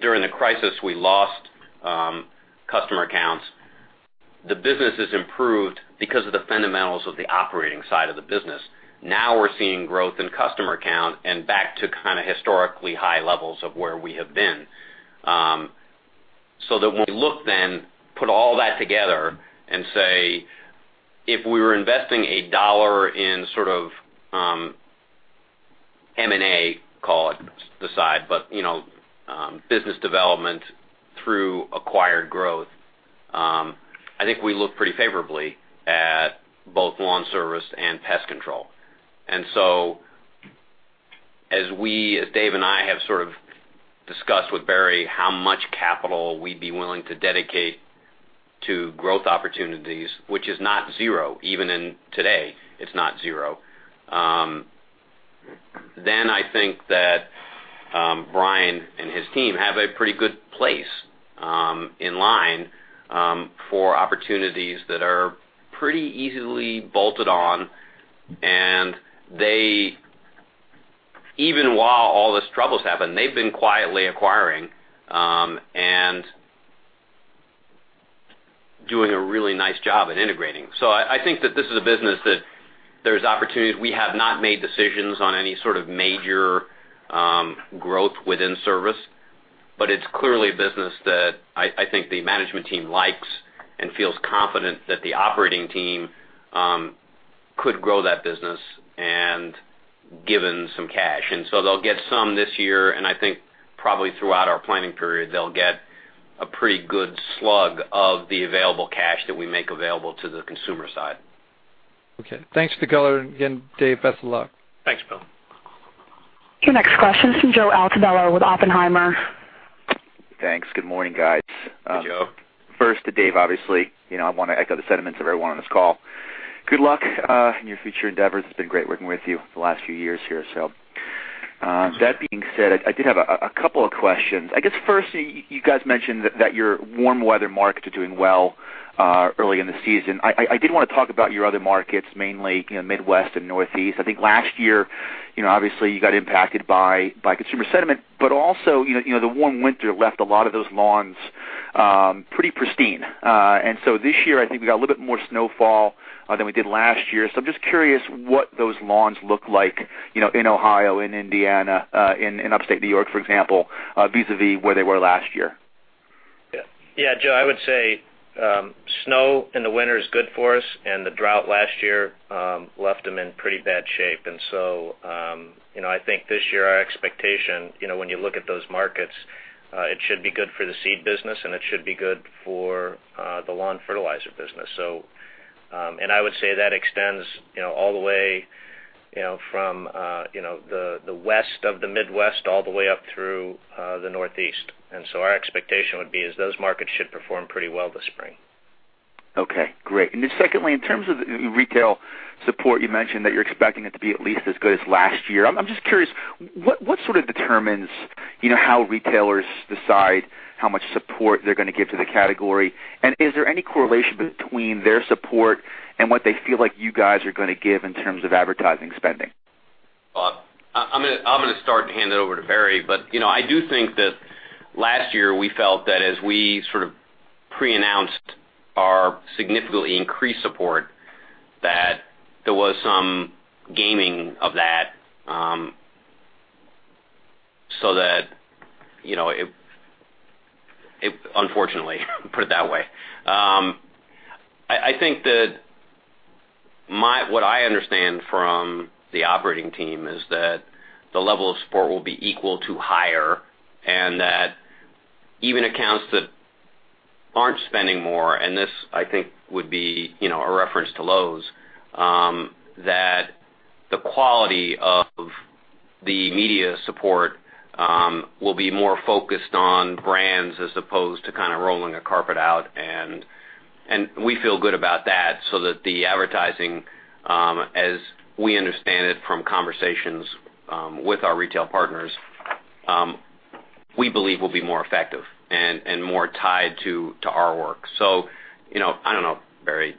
during the crisis, we lost customer counts. The business has improved because of the fundamentals of the operating side of the business. Now we're seeing growth in customer count and back to kind of historically high levels of where we have been. When we look then, put all that together and say, if we were investing $1 in sort of M&A, call it the side, but business development through acquired growth, I think we look pretty favorably at both Lawn Service and pest control. As Dave and I have sort of discussed with Barry how much capital we'd be willing to dedicate to growth opportunities, which is not zero. Even in today, it's not zero. I think that Brian and his team have a pretty good place in line for opportunities that are pretty easily bolted on. Even while all these troubles happened, they've been quietly acquiring and doing a really nice job at integrating. I think that this is a business that there's opportunities. We have not made decisions on any sort of major growth within service, but it's clearly a business that I think the management team likes and feels confident that the operating team could grow that business and given some cash. They'll get some this year, and I think probably throughout our planning period, they'll get a pretty good slug of the available cash that we make available to the consumer side. Okay. Thanks for the color again, Dave. Best of luck. Thanks, Bill. Your next question is from Joseph Altobello with Oppenheimer. Thanks. Good morning, guys. Hey, Joe. First to Dave, obviously, I want to echo the sentiments of everyone on this call. Good luck in your future endeavors. It's been great working with you the last few years here. That being said, I did have a couple of questions. I guess first, you guys mentioned that your warm weather markets are doing well early in the season. I did want to talk about your other markets, mainly Midwest and Northeast. I think last year, obviously you got impacted by consumer sentiment, but also, the warm winter left a lot of those lawns pretty pristine. This year, I think we got a little bit more snowfall than we did last year. I'm just curious what those lawns look like in Ohio, in Indiana, in Upstate New York, for example vis-a-vis where they were last year. Yeah, Joe, I would say snow in the winter is good for us, the drought last year left them in pretty bad shape. I think this year our expectation, when you look at those markets, it should be good for the seed business, it should be good for the lawn fertilizer business. I would say that extends all the way from the west of the Midwest all the way up through the Northeast. Our expectation would be is those markets should perform pretty well this spring. Okay. Great. Secondly, in terms of retail support, you mentioned that you're expecting it to be at least as good as last year. I'm just curious, what sort of determines how retailers decide how much support they're going to give to the category? Is there any correlation between their support and what they feel like you guys are going to give in terms of advertising spending? I'm going to start and hand it over to Barry. I do think that last year we felt that as we sort of pre-announced our significantly increased support, that there was some gaming of that so that it unfortunately, put it that way. I think that what I understand from the operating team is that the level of support will be equal to higher and that even accounts that aren't spending more, and this, I think, would be a reference to Lowe's, that the quality of the media support will be more focused on brands as opposed to kind of rolling a carpet out, and we feel good about that so that the advertising, as we understand it from conversations with our retail partners, we believe will be more effective and more tied to our work. I don't know, Barry.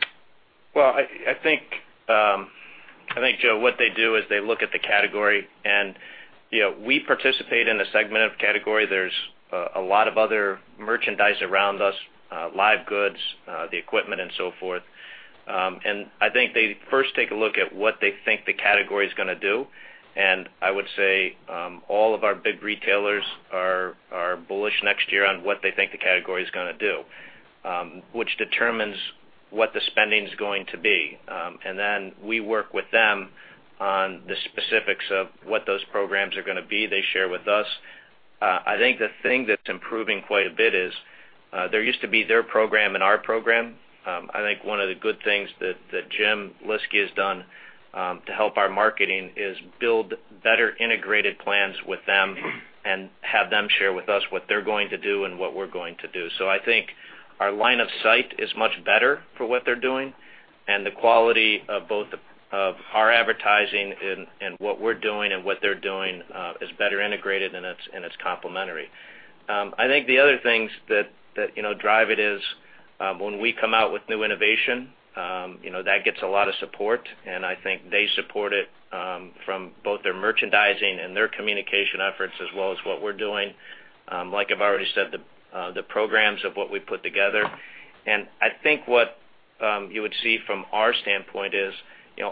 I think, Joe, what they do is they look at the category, and we participate in a segment of category. There's a lot of other merchandise around us, live goods, the equipment and so forth. I think they first take a look at what they think the category is going to do, and I would say all of our big retailers are bullish next year on what they think the category is going to do, which determines what the spending is going to be. Then we work with them on the specifics of what those programs are going to be. They share with us. I think the thing that's improving quite a bit is there used to be their program and our program. I think one of the good things that Jim Lyski has done to help our marketing is build better integrated plans with them and have them share with us what they're going to do and what we're going to do. I think our line of sight is much better for what they're doing and the quality of both of our advertising and what we're doing and what they're doing is better integrated and it's complementary. I think the other things that drive it is when we come out with new innovation, that gets a lot of support, and I think they support it from both their merchandising and their communication efforts as well as what we're doing. Like I've already said, the programs of what we put together, and I think what you would see from our standpoint is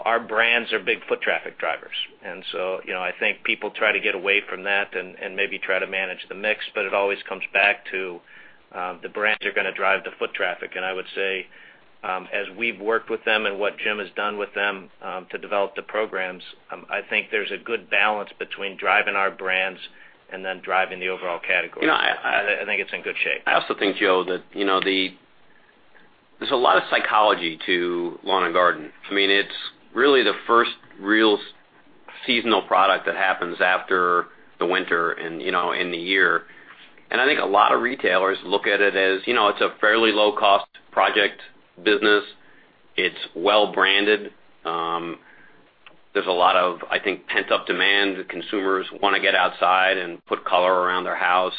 our brands are big foot traffic drivers. I think people try to get away from that and maybe try to manage the mix, it always comes back to the brands are going to drive the foot traffic. I would say as we've worked with them and what Jim has done with them to develop the programs, I think there's a good balance between driving our brands and then driving the overall category. I think it's in good shape. I also think, Joe, there's a lot of psychology to lawn and garden. It's really the first real seasonal product that happens after the winter and in the year. I think a lot of retailers look at it as, it's a fairly low-cost project business. It's well branded. There's a lot of, I think, pent-up demand. The consumers want to get outside and put color around their house.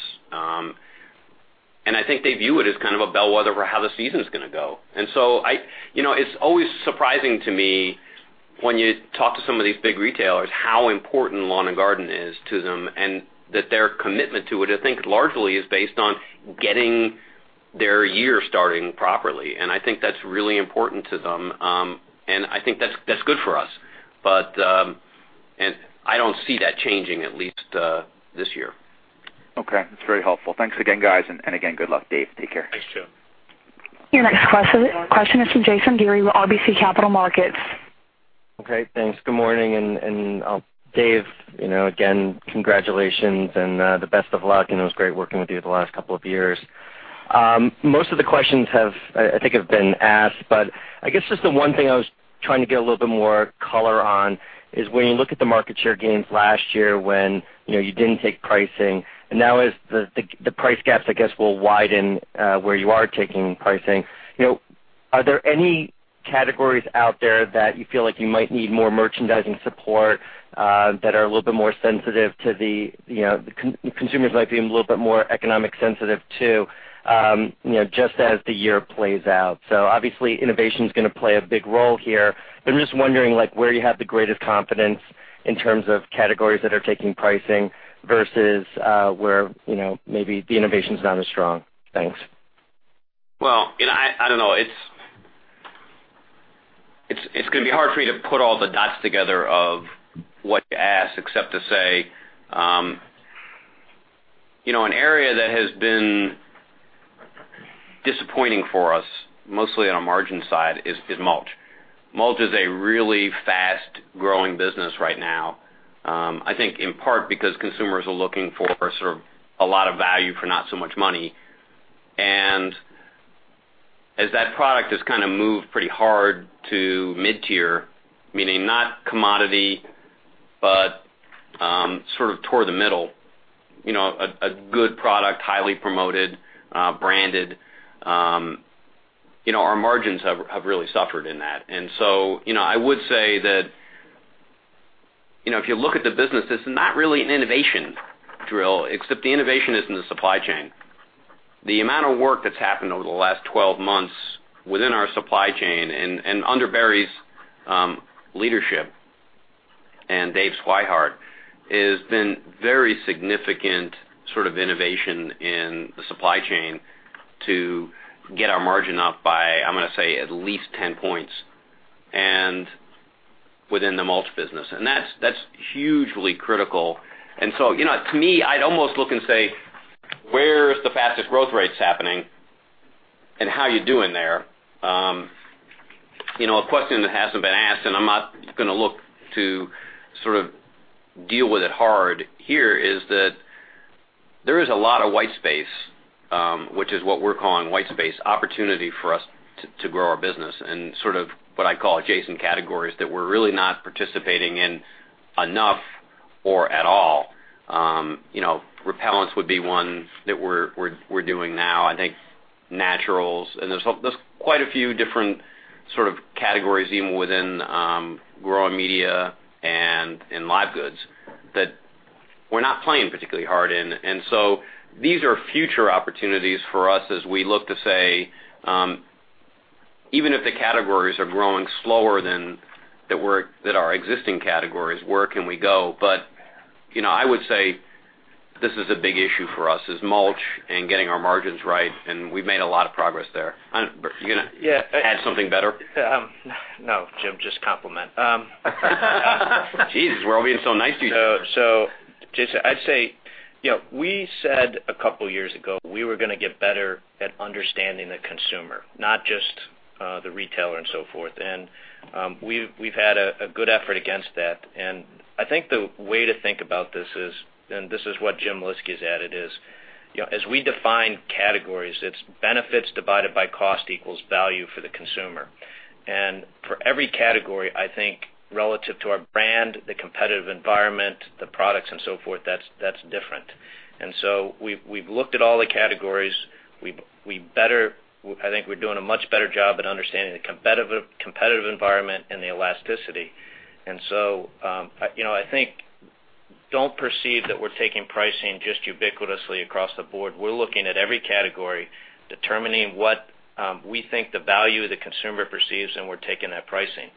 I think they view it as kind of a bellwether for how the season's going to go. It's always surprising to me when you talk to some of these big retailers, how important lawn and garden is to them, and that their commitment to it, I think, largely is based on getting their year starting properly. I think that's really important to them, and I think that's good for us. I don't see that changing, at least this year. Okay. That's very helpful. Thanks again, guys. Again, good luck, Dave. Take care. Thanks, Jim. Your next question is from Jason Gere with RBC Capital Markets. Okay, thanks. Good morning. Dave, again, congratulations and the best of luck. It was great working with you the last couple of years. Most of the questions I think have been asked, I guess just the one thing I was trying to get a little bit more color on is when you look at the market share gains last year when you didn't take pricing, and now as the price gaps, I guess, will widen where you are taking pricing. Are there any categories out there that you feel like you might need more merchandising support that are a little bit more sensitive to the consumers might be a little bit more economic sensitive to just as the year plays out? Obviously innovation's going to play a big role here, but I'm just wondering where you have the greatest confidence in terms of categories that are taking pricing versus where maybe the innovation's not as strong. Thanks. Well, I don't know. It's going to be hard for me to put all the dots together of what you asked except to say an area that has been disappointing for us, mostly on a margin side, is mulch. Mulch is a really fast-growing business right now, I think in part because consumers are looking for sort of a lot of value for not so much money. As that product has kind of moved pretty hard to mid-tier, meaning not commodity, but sort of toward the middle, a good product, highly promoted, branded, our margins have really suffered in that. I would say that if you look at the business, it's not really an innovation drill, except the innovation is in the supply chain. The amount of work that's happened over the last 12 months within our supply chain and under Barry Sanders' leadership and Dave Swihart has been very significant sort of innovation in the supply chain to get our margin up by, I'm going to say, at least 10 points and within the mulch business. That's hugely critical. To me, I'd almost look and say, where is the fastest growth rates happening and how are you doing there? A question that hasn't been asked, and I'm not going to look to sort of deal with it hard here, is that there is a lot of white space, which is what we're calling white space opportunity for us to grow our business and sort of what I call adjacent categories that we're really not participating in enough or at all. Repellents would be one that we're doing now. I think naturals and there's quite a few different sort of categories even within growing media and in live goods that we're not playing particularly hard in. These are future opportunities for us as we look to say even if the categories are growing slower than our existing categories, where can we go? I would say this is a big issue for us is mulch and getting our margins right. We've made a lot of progress there. You're going to add something better? No, Jim, just compliment. Geez, we're all being so nice to you. Jason, I'd say we said a couple of years ago we were going to get better at understanding the consumer, not just the retailer and so forth. We've had a good effort against that. I think the way to think about this is, and this is what Jim Lyski has added is, as we define categories, it's benefits divided by cost equals value for the consumer. For every category, I think relative to our brand, the competitive environment, the products and so forth, that's different. We've looked at all the categories. I think we're doing a much better job at understanding the competitive environment and the elasticity. I think don't perceive that we're taking pricing just ubiquitously across the board. We're looking at every category, determining what we think the value the consumer perceives, and we're taking that pricing.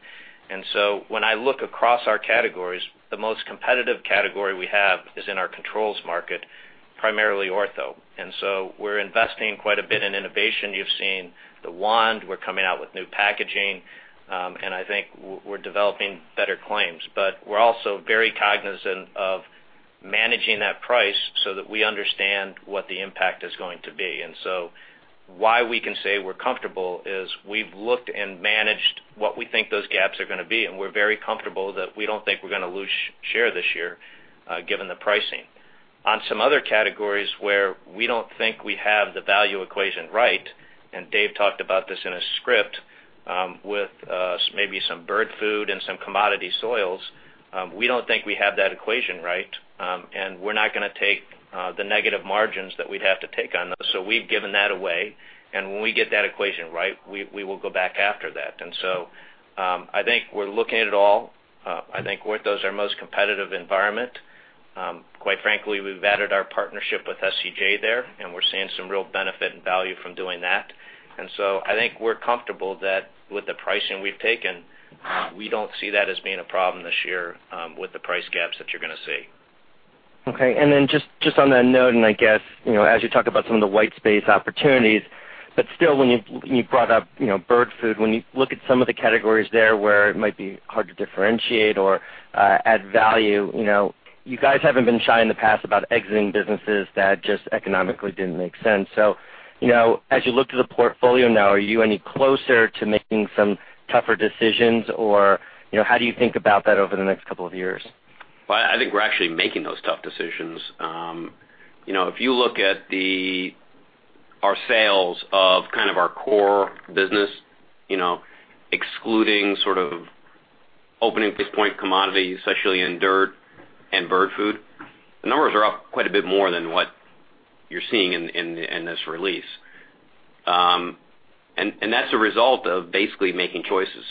When I look across our categories, the most competitive category we have is in our controls market, primarily Ortho. We're investing quite a bit in innovation. You've seen the Ortho Wand. We're coming out with new packaging. I think we're developing better claims, but we're also very cognizant of managing that price so that we understand what the impact is going to be. Why we can say we're comfortable is we've looked and managed what we think those gaps are going to be, and we're very comfortable that we don't think we're going to lose share this year given the pricing. On some other categories where we don't think we have the value equation right, and Dave talked about this in a script with maybe some bird food and some commodity soils. We don't think we have that equation right, and we're not going to take the negative margins that we'd have to take on those. We've given that away, and when we get that equation right, we will go back after that. I think we're looking at it all. I think those are most competitive environment. Quite frankly, we've added our partnership with SCJ there, and we're seeing some real benefit and value from doing that. I think we're comfortable that with the pricing we've taken, we don't see that as being a problem this year with the price gaps that you're going to see. Okay. Just on that note, as you talk about some of the white space opportunities, when you brought up bird food, when you look at some of the categories there where it might be hard to differentiate or add value. You guys haven't been shy in the past about exiting businesses that just economically didn't make sense. As you look to the portfolio now, are you any closer to making some tougher decisions or how do you think about that over the next couple of years? Well, I think we're actually making those tough decisions. If you look at our sales of kind of our core business excluding sort of opening price point commodities, especially in dirt and bird food, the numbers are up quite a bit more than what you're seeing in this release. That's a result of basically making choices.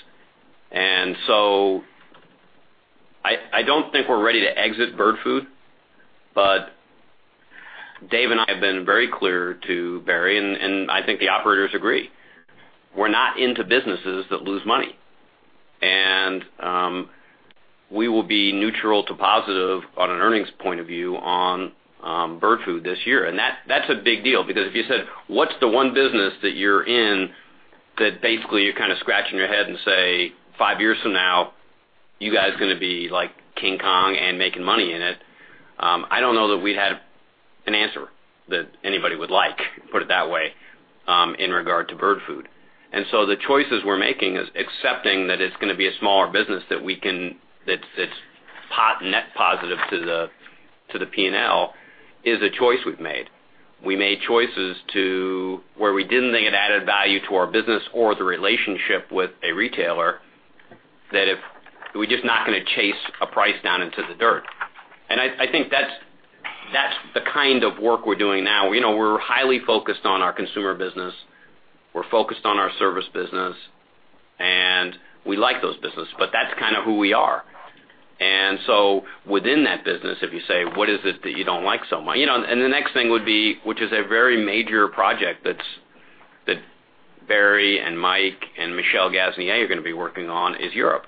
I don't think we're ready to exit bird food, Dave and I have been very clear to Barry, and I think the operators agree. We're not into businesses that lose money. We will be neutral to positive on an earnings point of view on bird food this year. That's a big deal because if you said, "What's the one business that you're in that basically you're kind of scratching your head and say, 5 years from now, you guys are going to be like King Kong and making money in it?" I don't know that we'd have an answer that anybody would like, put it that way, in regard to bird food. The choices we're making is accepting that it's going to be a smaller business that's net positive to the P&L is a choice we've made. We made choices to where we didn't think it added value to our business or the relationship with a retailer that we're just not going to chase a price down into the dirt. I think that's the kind of work we're doing now. We're highly focused on our consumer business. We're focused on our service business, we like those business, that's kind of who we are. Within that business, if you say, what is it that you don't like so much? The next thing would be, which is a very major project that Barry and Mike and Michelle Gass are going to be working on is Europe.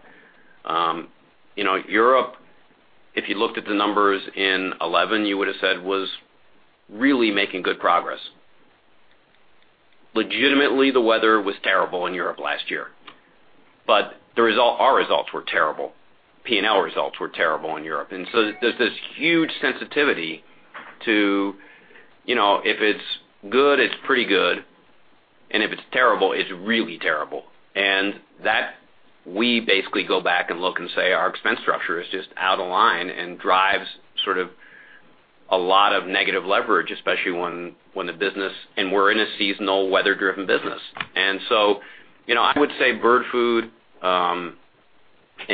Europe, if you looked at the numbers in 2011, you would have said was really making good progress. Legitimately, the weather was terrible in Europe last year, our results were terrible. P&L results were terrible in Europe. There's this huge sensitivity to if it's good, it's pretty good, if it's terrible, it's really terrible. That we basically go back and look and say our expense structure is just out of line and drives sort of a lot of negative leverage, especially when the business, we're in a seasonal weather-driven business. I would say bird food and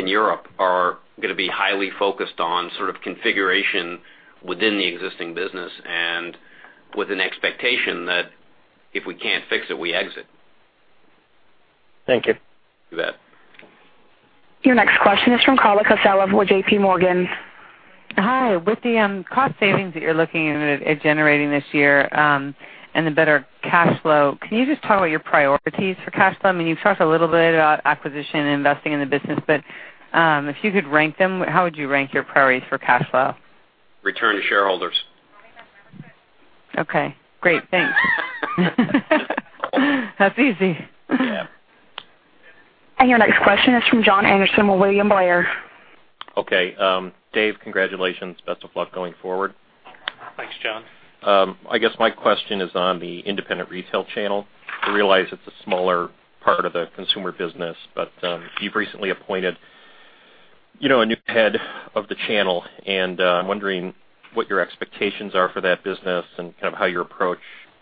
Europe are going to be highly focused on sort of configuration within the existing business and with an expectation that if we can't fix it, we exit. Thank you. You bet. Your next question is from Carla Casella with J.P. Morgan. Hi. With the cost savings that you're looking at generating this year and the better cash flow, can you just talk about your priorities for cash flow? I mean, you've talked a little bit about acquisition and investing in the business, but if you could rank them, how would you rank your priorities for cash flow? Return to shareholders. Okay, great. Thanks. That's easy. Yeah. Your next question is from Jon Andersen with William Blair. Okay. Dave, congratulations. Best of luck going forward. Thanks, Jon. I guess my question is on the independent retail channel. I realize it's a smaller part of the consumer business. You've recently appointed a new head of the channel, and I'm wondering what your expectations are for that business and kind of how your approach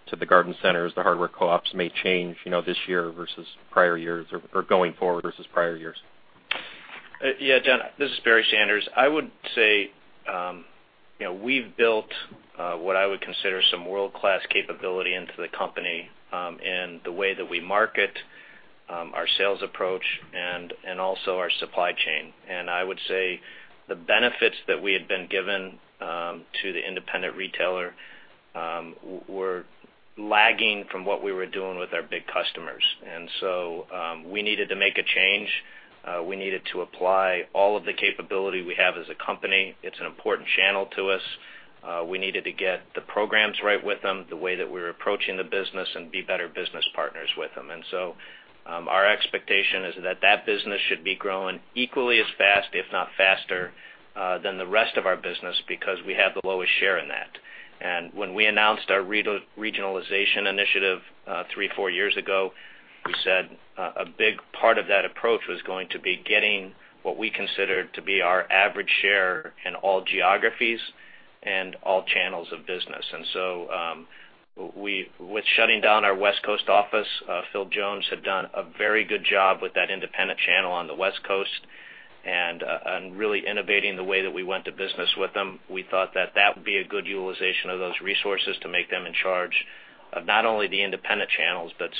to the garden centers, the hardware co-ops may change this year versus prior years or going forward versus prior years. Yeah, Jon, this is Barry Sanders. I would say we've built what I would consider some world-class capability into the company in the way that we market our sales approach and also our supply chain. I would say the benefits that we had been given to the independent retailer were lagging from what we were doing with our big customers. We needed to make a change. We needed to apply all of the capability we have as a company. It's an important channel to us. We needed to get the programs right with them, the way that we were approaching the business and be better business partners with them. Our expectation is that that business should be growing equally as fast, if not faster than the rest of our business because we have the lowest share in that. When we announced our regionalization initiative three, four years ago, we said a big part of that approach was going to be getting what we considered to be our average share in all geographies and all channels of business. With shutting down our West Coast office, Phil had done a very good job with that independent channel on the West Coast and really innovating the way that we went to business with them. We thought that that would be a good utilization of those resources to make them in charge of not only the independent channels, but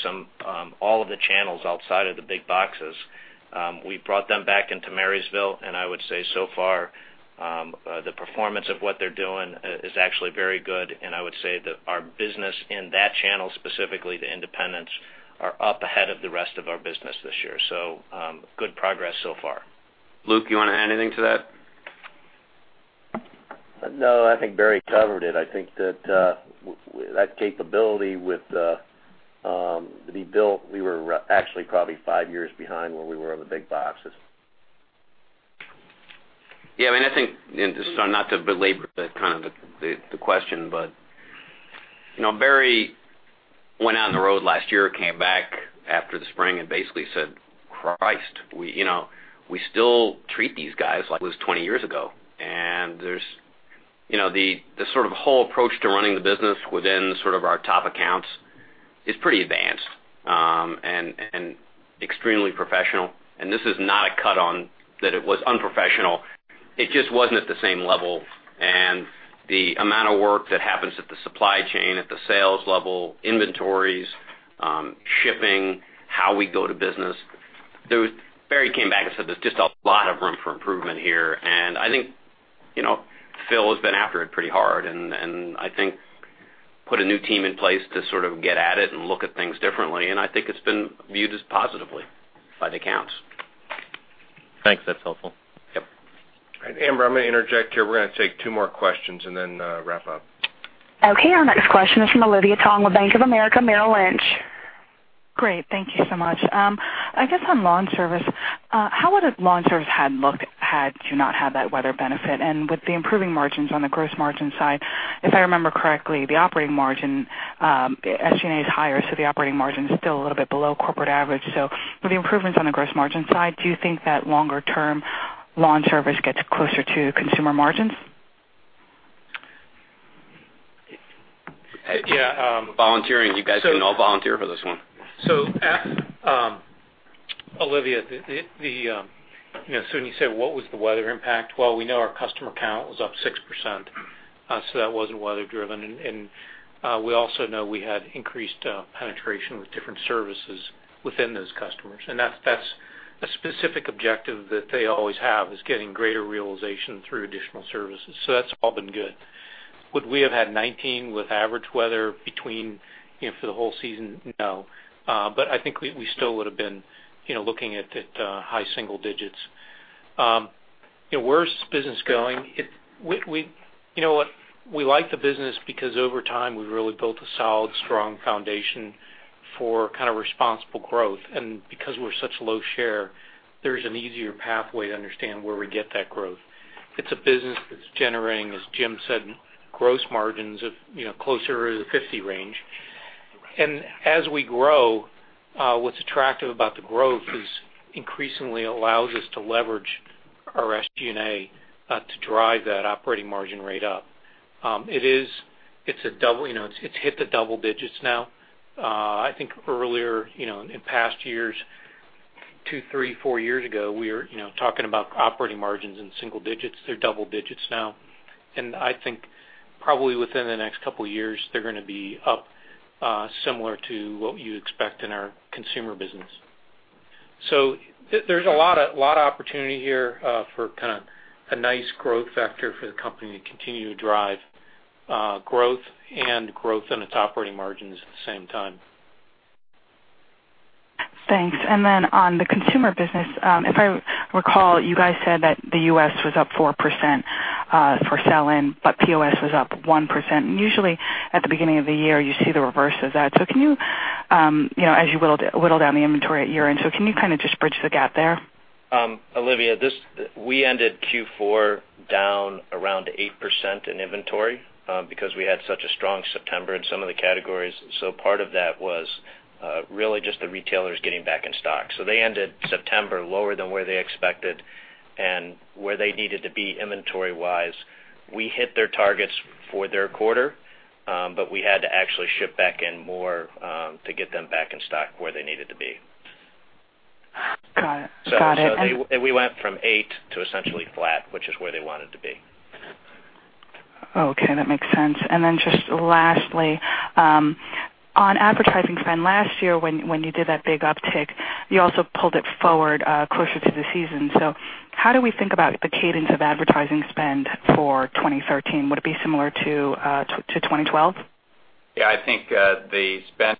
all of the channels outside of the big boxes. We brought them back into Marysville. I would say so far, the performance of what they're doing is actually very good. I would say that our business in that channel, specifically the independents, are up ahead of the rest of our business this year. Good progress so far. Luke, you want to add anything to that? No, I think Barry covered it. I think that that capability with the build, we were actually probably five years behind where we were on the big boxes. I think, not to belabor the question, Barry went out on the road last year, came back after the spring and basically said, "Christ, we still treat these guys like it was 20 years ago." The sort of whole approach to running the business within our top accounts is pretty advanced and extremely professional, and this is not a cut on that it was unprofessional. It just wasn't at the same level, and the amount of work that happens at the supply chain, at the sales level, inventories, shipping, how we go to business. Barry came back and said, "There's just a lot of room for improvement here." I think Phil has been after it pretty hard, I think put a new team in place to sort of get at it and look at things differently, I think it's been viewed as positively by the accounts. Thanks. That's helpful. Yep. Amber, I'm going to interject here. We're going to take two more questions and then wrap up. Okay, our next question is from Olivia Tong with Bank of America Merrill Lynch. Great. Thank you so much. I guess on lawn service, how would a lawn service had looked had you not had that weather benefit? With the improving margins on the gross margin side, if I remember correctly, the operating margin, SG&A is higher, the operating margin is still a little bit below corporate average. With the improvements on the gross margin side, do you think that longer-term lawn service gets closer to consumer margins? Yeah. Volunteering. You guys can all volunteer for this one. Olivia, so when you said what was the weather impact? Well, we know our customer count was up 6%, that wasn't weather driven. We also know we had increased penetration with different services within those customers. That's a specific objective that they always have, is getting greater realization through additional services. That's all been good. Would we have had 19 with average weather between for the whole season? No. I think we still would've been looking at high single digits. Where's business going? We like the business because over time, we've really built a solid, strong foundation for kind of responsible growth. Because we're such low share, there's an easier pathway to understand where we get that growth. It's a business that's generating, as Jim said, gross margins of closer to the 50 range. As we grow, what's attractive about the growth is increasingly allows us to leverage our SG&A to drive that operating margin rate up. It's hit the double digits now. I think earlier in past years, two, three, four years ago, we were talking about operating margins in single digits. They're double digits now. I think probably within the next couple of years, they're going to be up similar to what you expect in our consumer business. There's a lot of opportunity here for kind of a nice growth vector for the company to continue to drive growth and growth in its operating margins at the same time. Thanks. Then on the consumer business, if I recall, you guys said that the U.S. was up 4% for sell-in, but POS was up 1%. Usually, at the beginning of the year, you see the reverse of that. As you whittle down the inventory at year-end, can you kind of just bridge the gap there? Olivia, we ended Q4 down around 8% in inventory because we had such a strong September in some of the categories. Part of that was really just the retailers getting back in stock. They ended September lower than where they expected and where they needed to be inventory-wise. We hit their targets for their quarter, but we had to actually ship back in more to get them back in stock where they needed to be. Got it. We went from 8 to essentially flat, which is where they wanted to be. Okay, that makes sense. Just lastly, on advertising spend last year when you did that big uptick, you also pulled it forward closer to the season. How do we think about the cadence of advertising spend for 2013? Would it be similar to 2012? I think the spend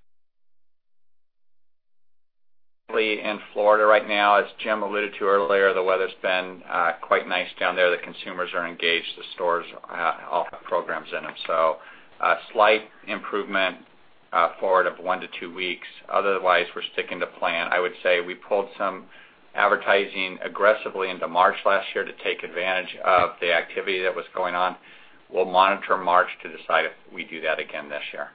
in Florida right now, as Jim alluded to earlier, the weather's been quite nice down there. The consumers are engaged. The stores all have programs in them. Forward of one to two weeks. Otherwise, we're sticking to plan. I would say we pulled some advertising aggressively into March last year to take advantage of the activity that was going on. We'll monitor March to decide if we do that again this year.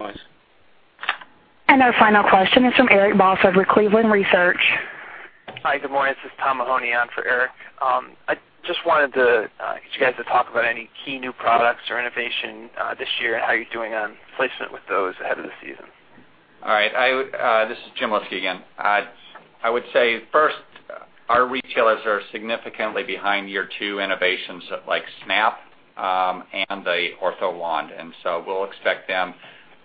Wise. Our final question is from Eric Bosshard with Cleveland Research. Hi, good morning. This is Tom Mahoney on for Eric. I just wanted to get you guys to talk about any key new products or innovation this year and how you are doing on placement with those ahead of the season. All right. This is Jim Lyski again. I would say, first, our retailers are significantly behind year two innovations like Snap and the Ortho Wand. We will expect them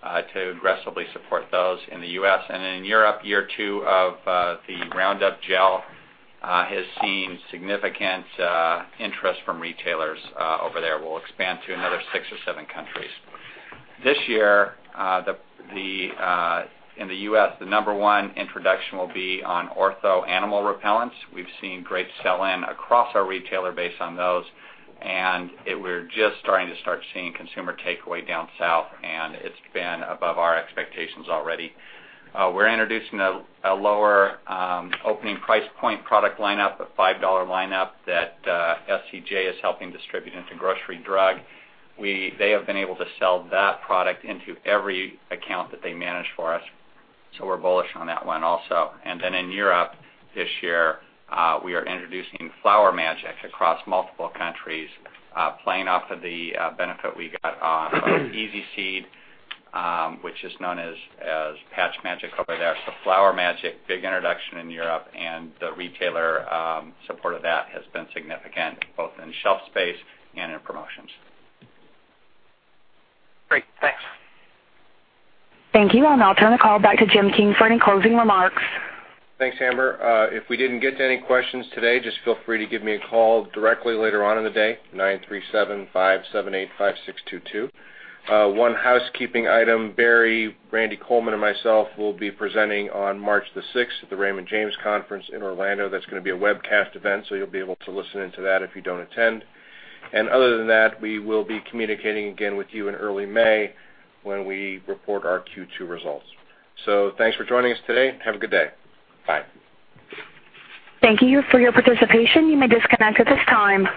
to aggressively support those in the U.S. In Europe, year two of the Roundup Gel has seen significant interest from retailers over there. We will expand to another six or seven countries. This year, in the U.S., the number 1 introduction will be on Ortho Animal Repellents. We have seen great sell-in across our retailer base on those, and we are just starting to see consumer takeaway down south, and it has been above our expectations already. We are introducing a lower opening price point product line-up, a $5 line-up that SCJ is helping distribute into grocery drug. They have been able to sell that product into every account that they manage for us, we are bullish on that one also. In Europe this year, we are introducing Flower Magic across multiple countries, playing off of the benefit we got off of EZ Seed, which is known as Patch Magic over there. Flower Magic, big introduction in Europe, the retailer support of that has been significant, both in shelf space and in promotions. Great. Thanks. Thank you. I'll now turn the call back to Jim King for any closing remarks. Thanks, Amber. If we didn't get to any questions today, just feel free to give me a call directly later on in the day, 937-578-5622. One housekeeping item, Barry, Randy Coleman, and myself will be presenting on March the 6th at the Raymond James Conference in Orlando. That's going to be a webcast event, so you'll be able to listen in to that if you don't attend. Other than that, we will be communicating again with you in early May when we report our Q2 results. Thanks for joining us today. Have a good day. Bye. Thank you for your participation. You may disconnect at this time.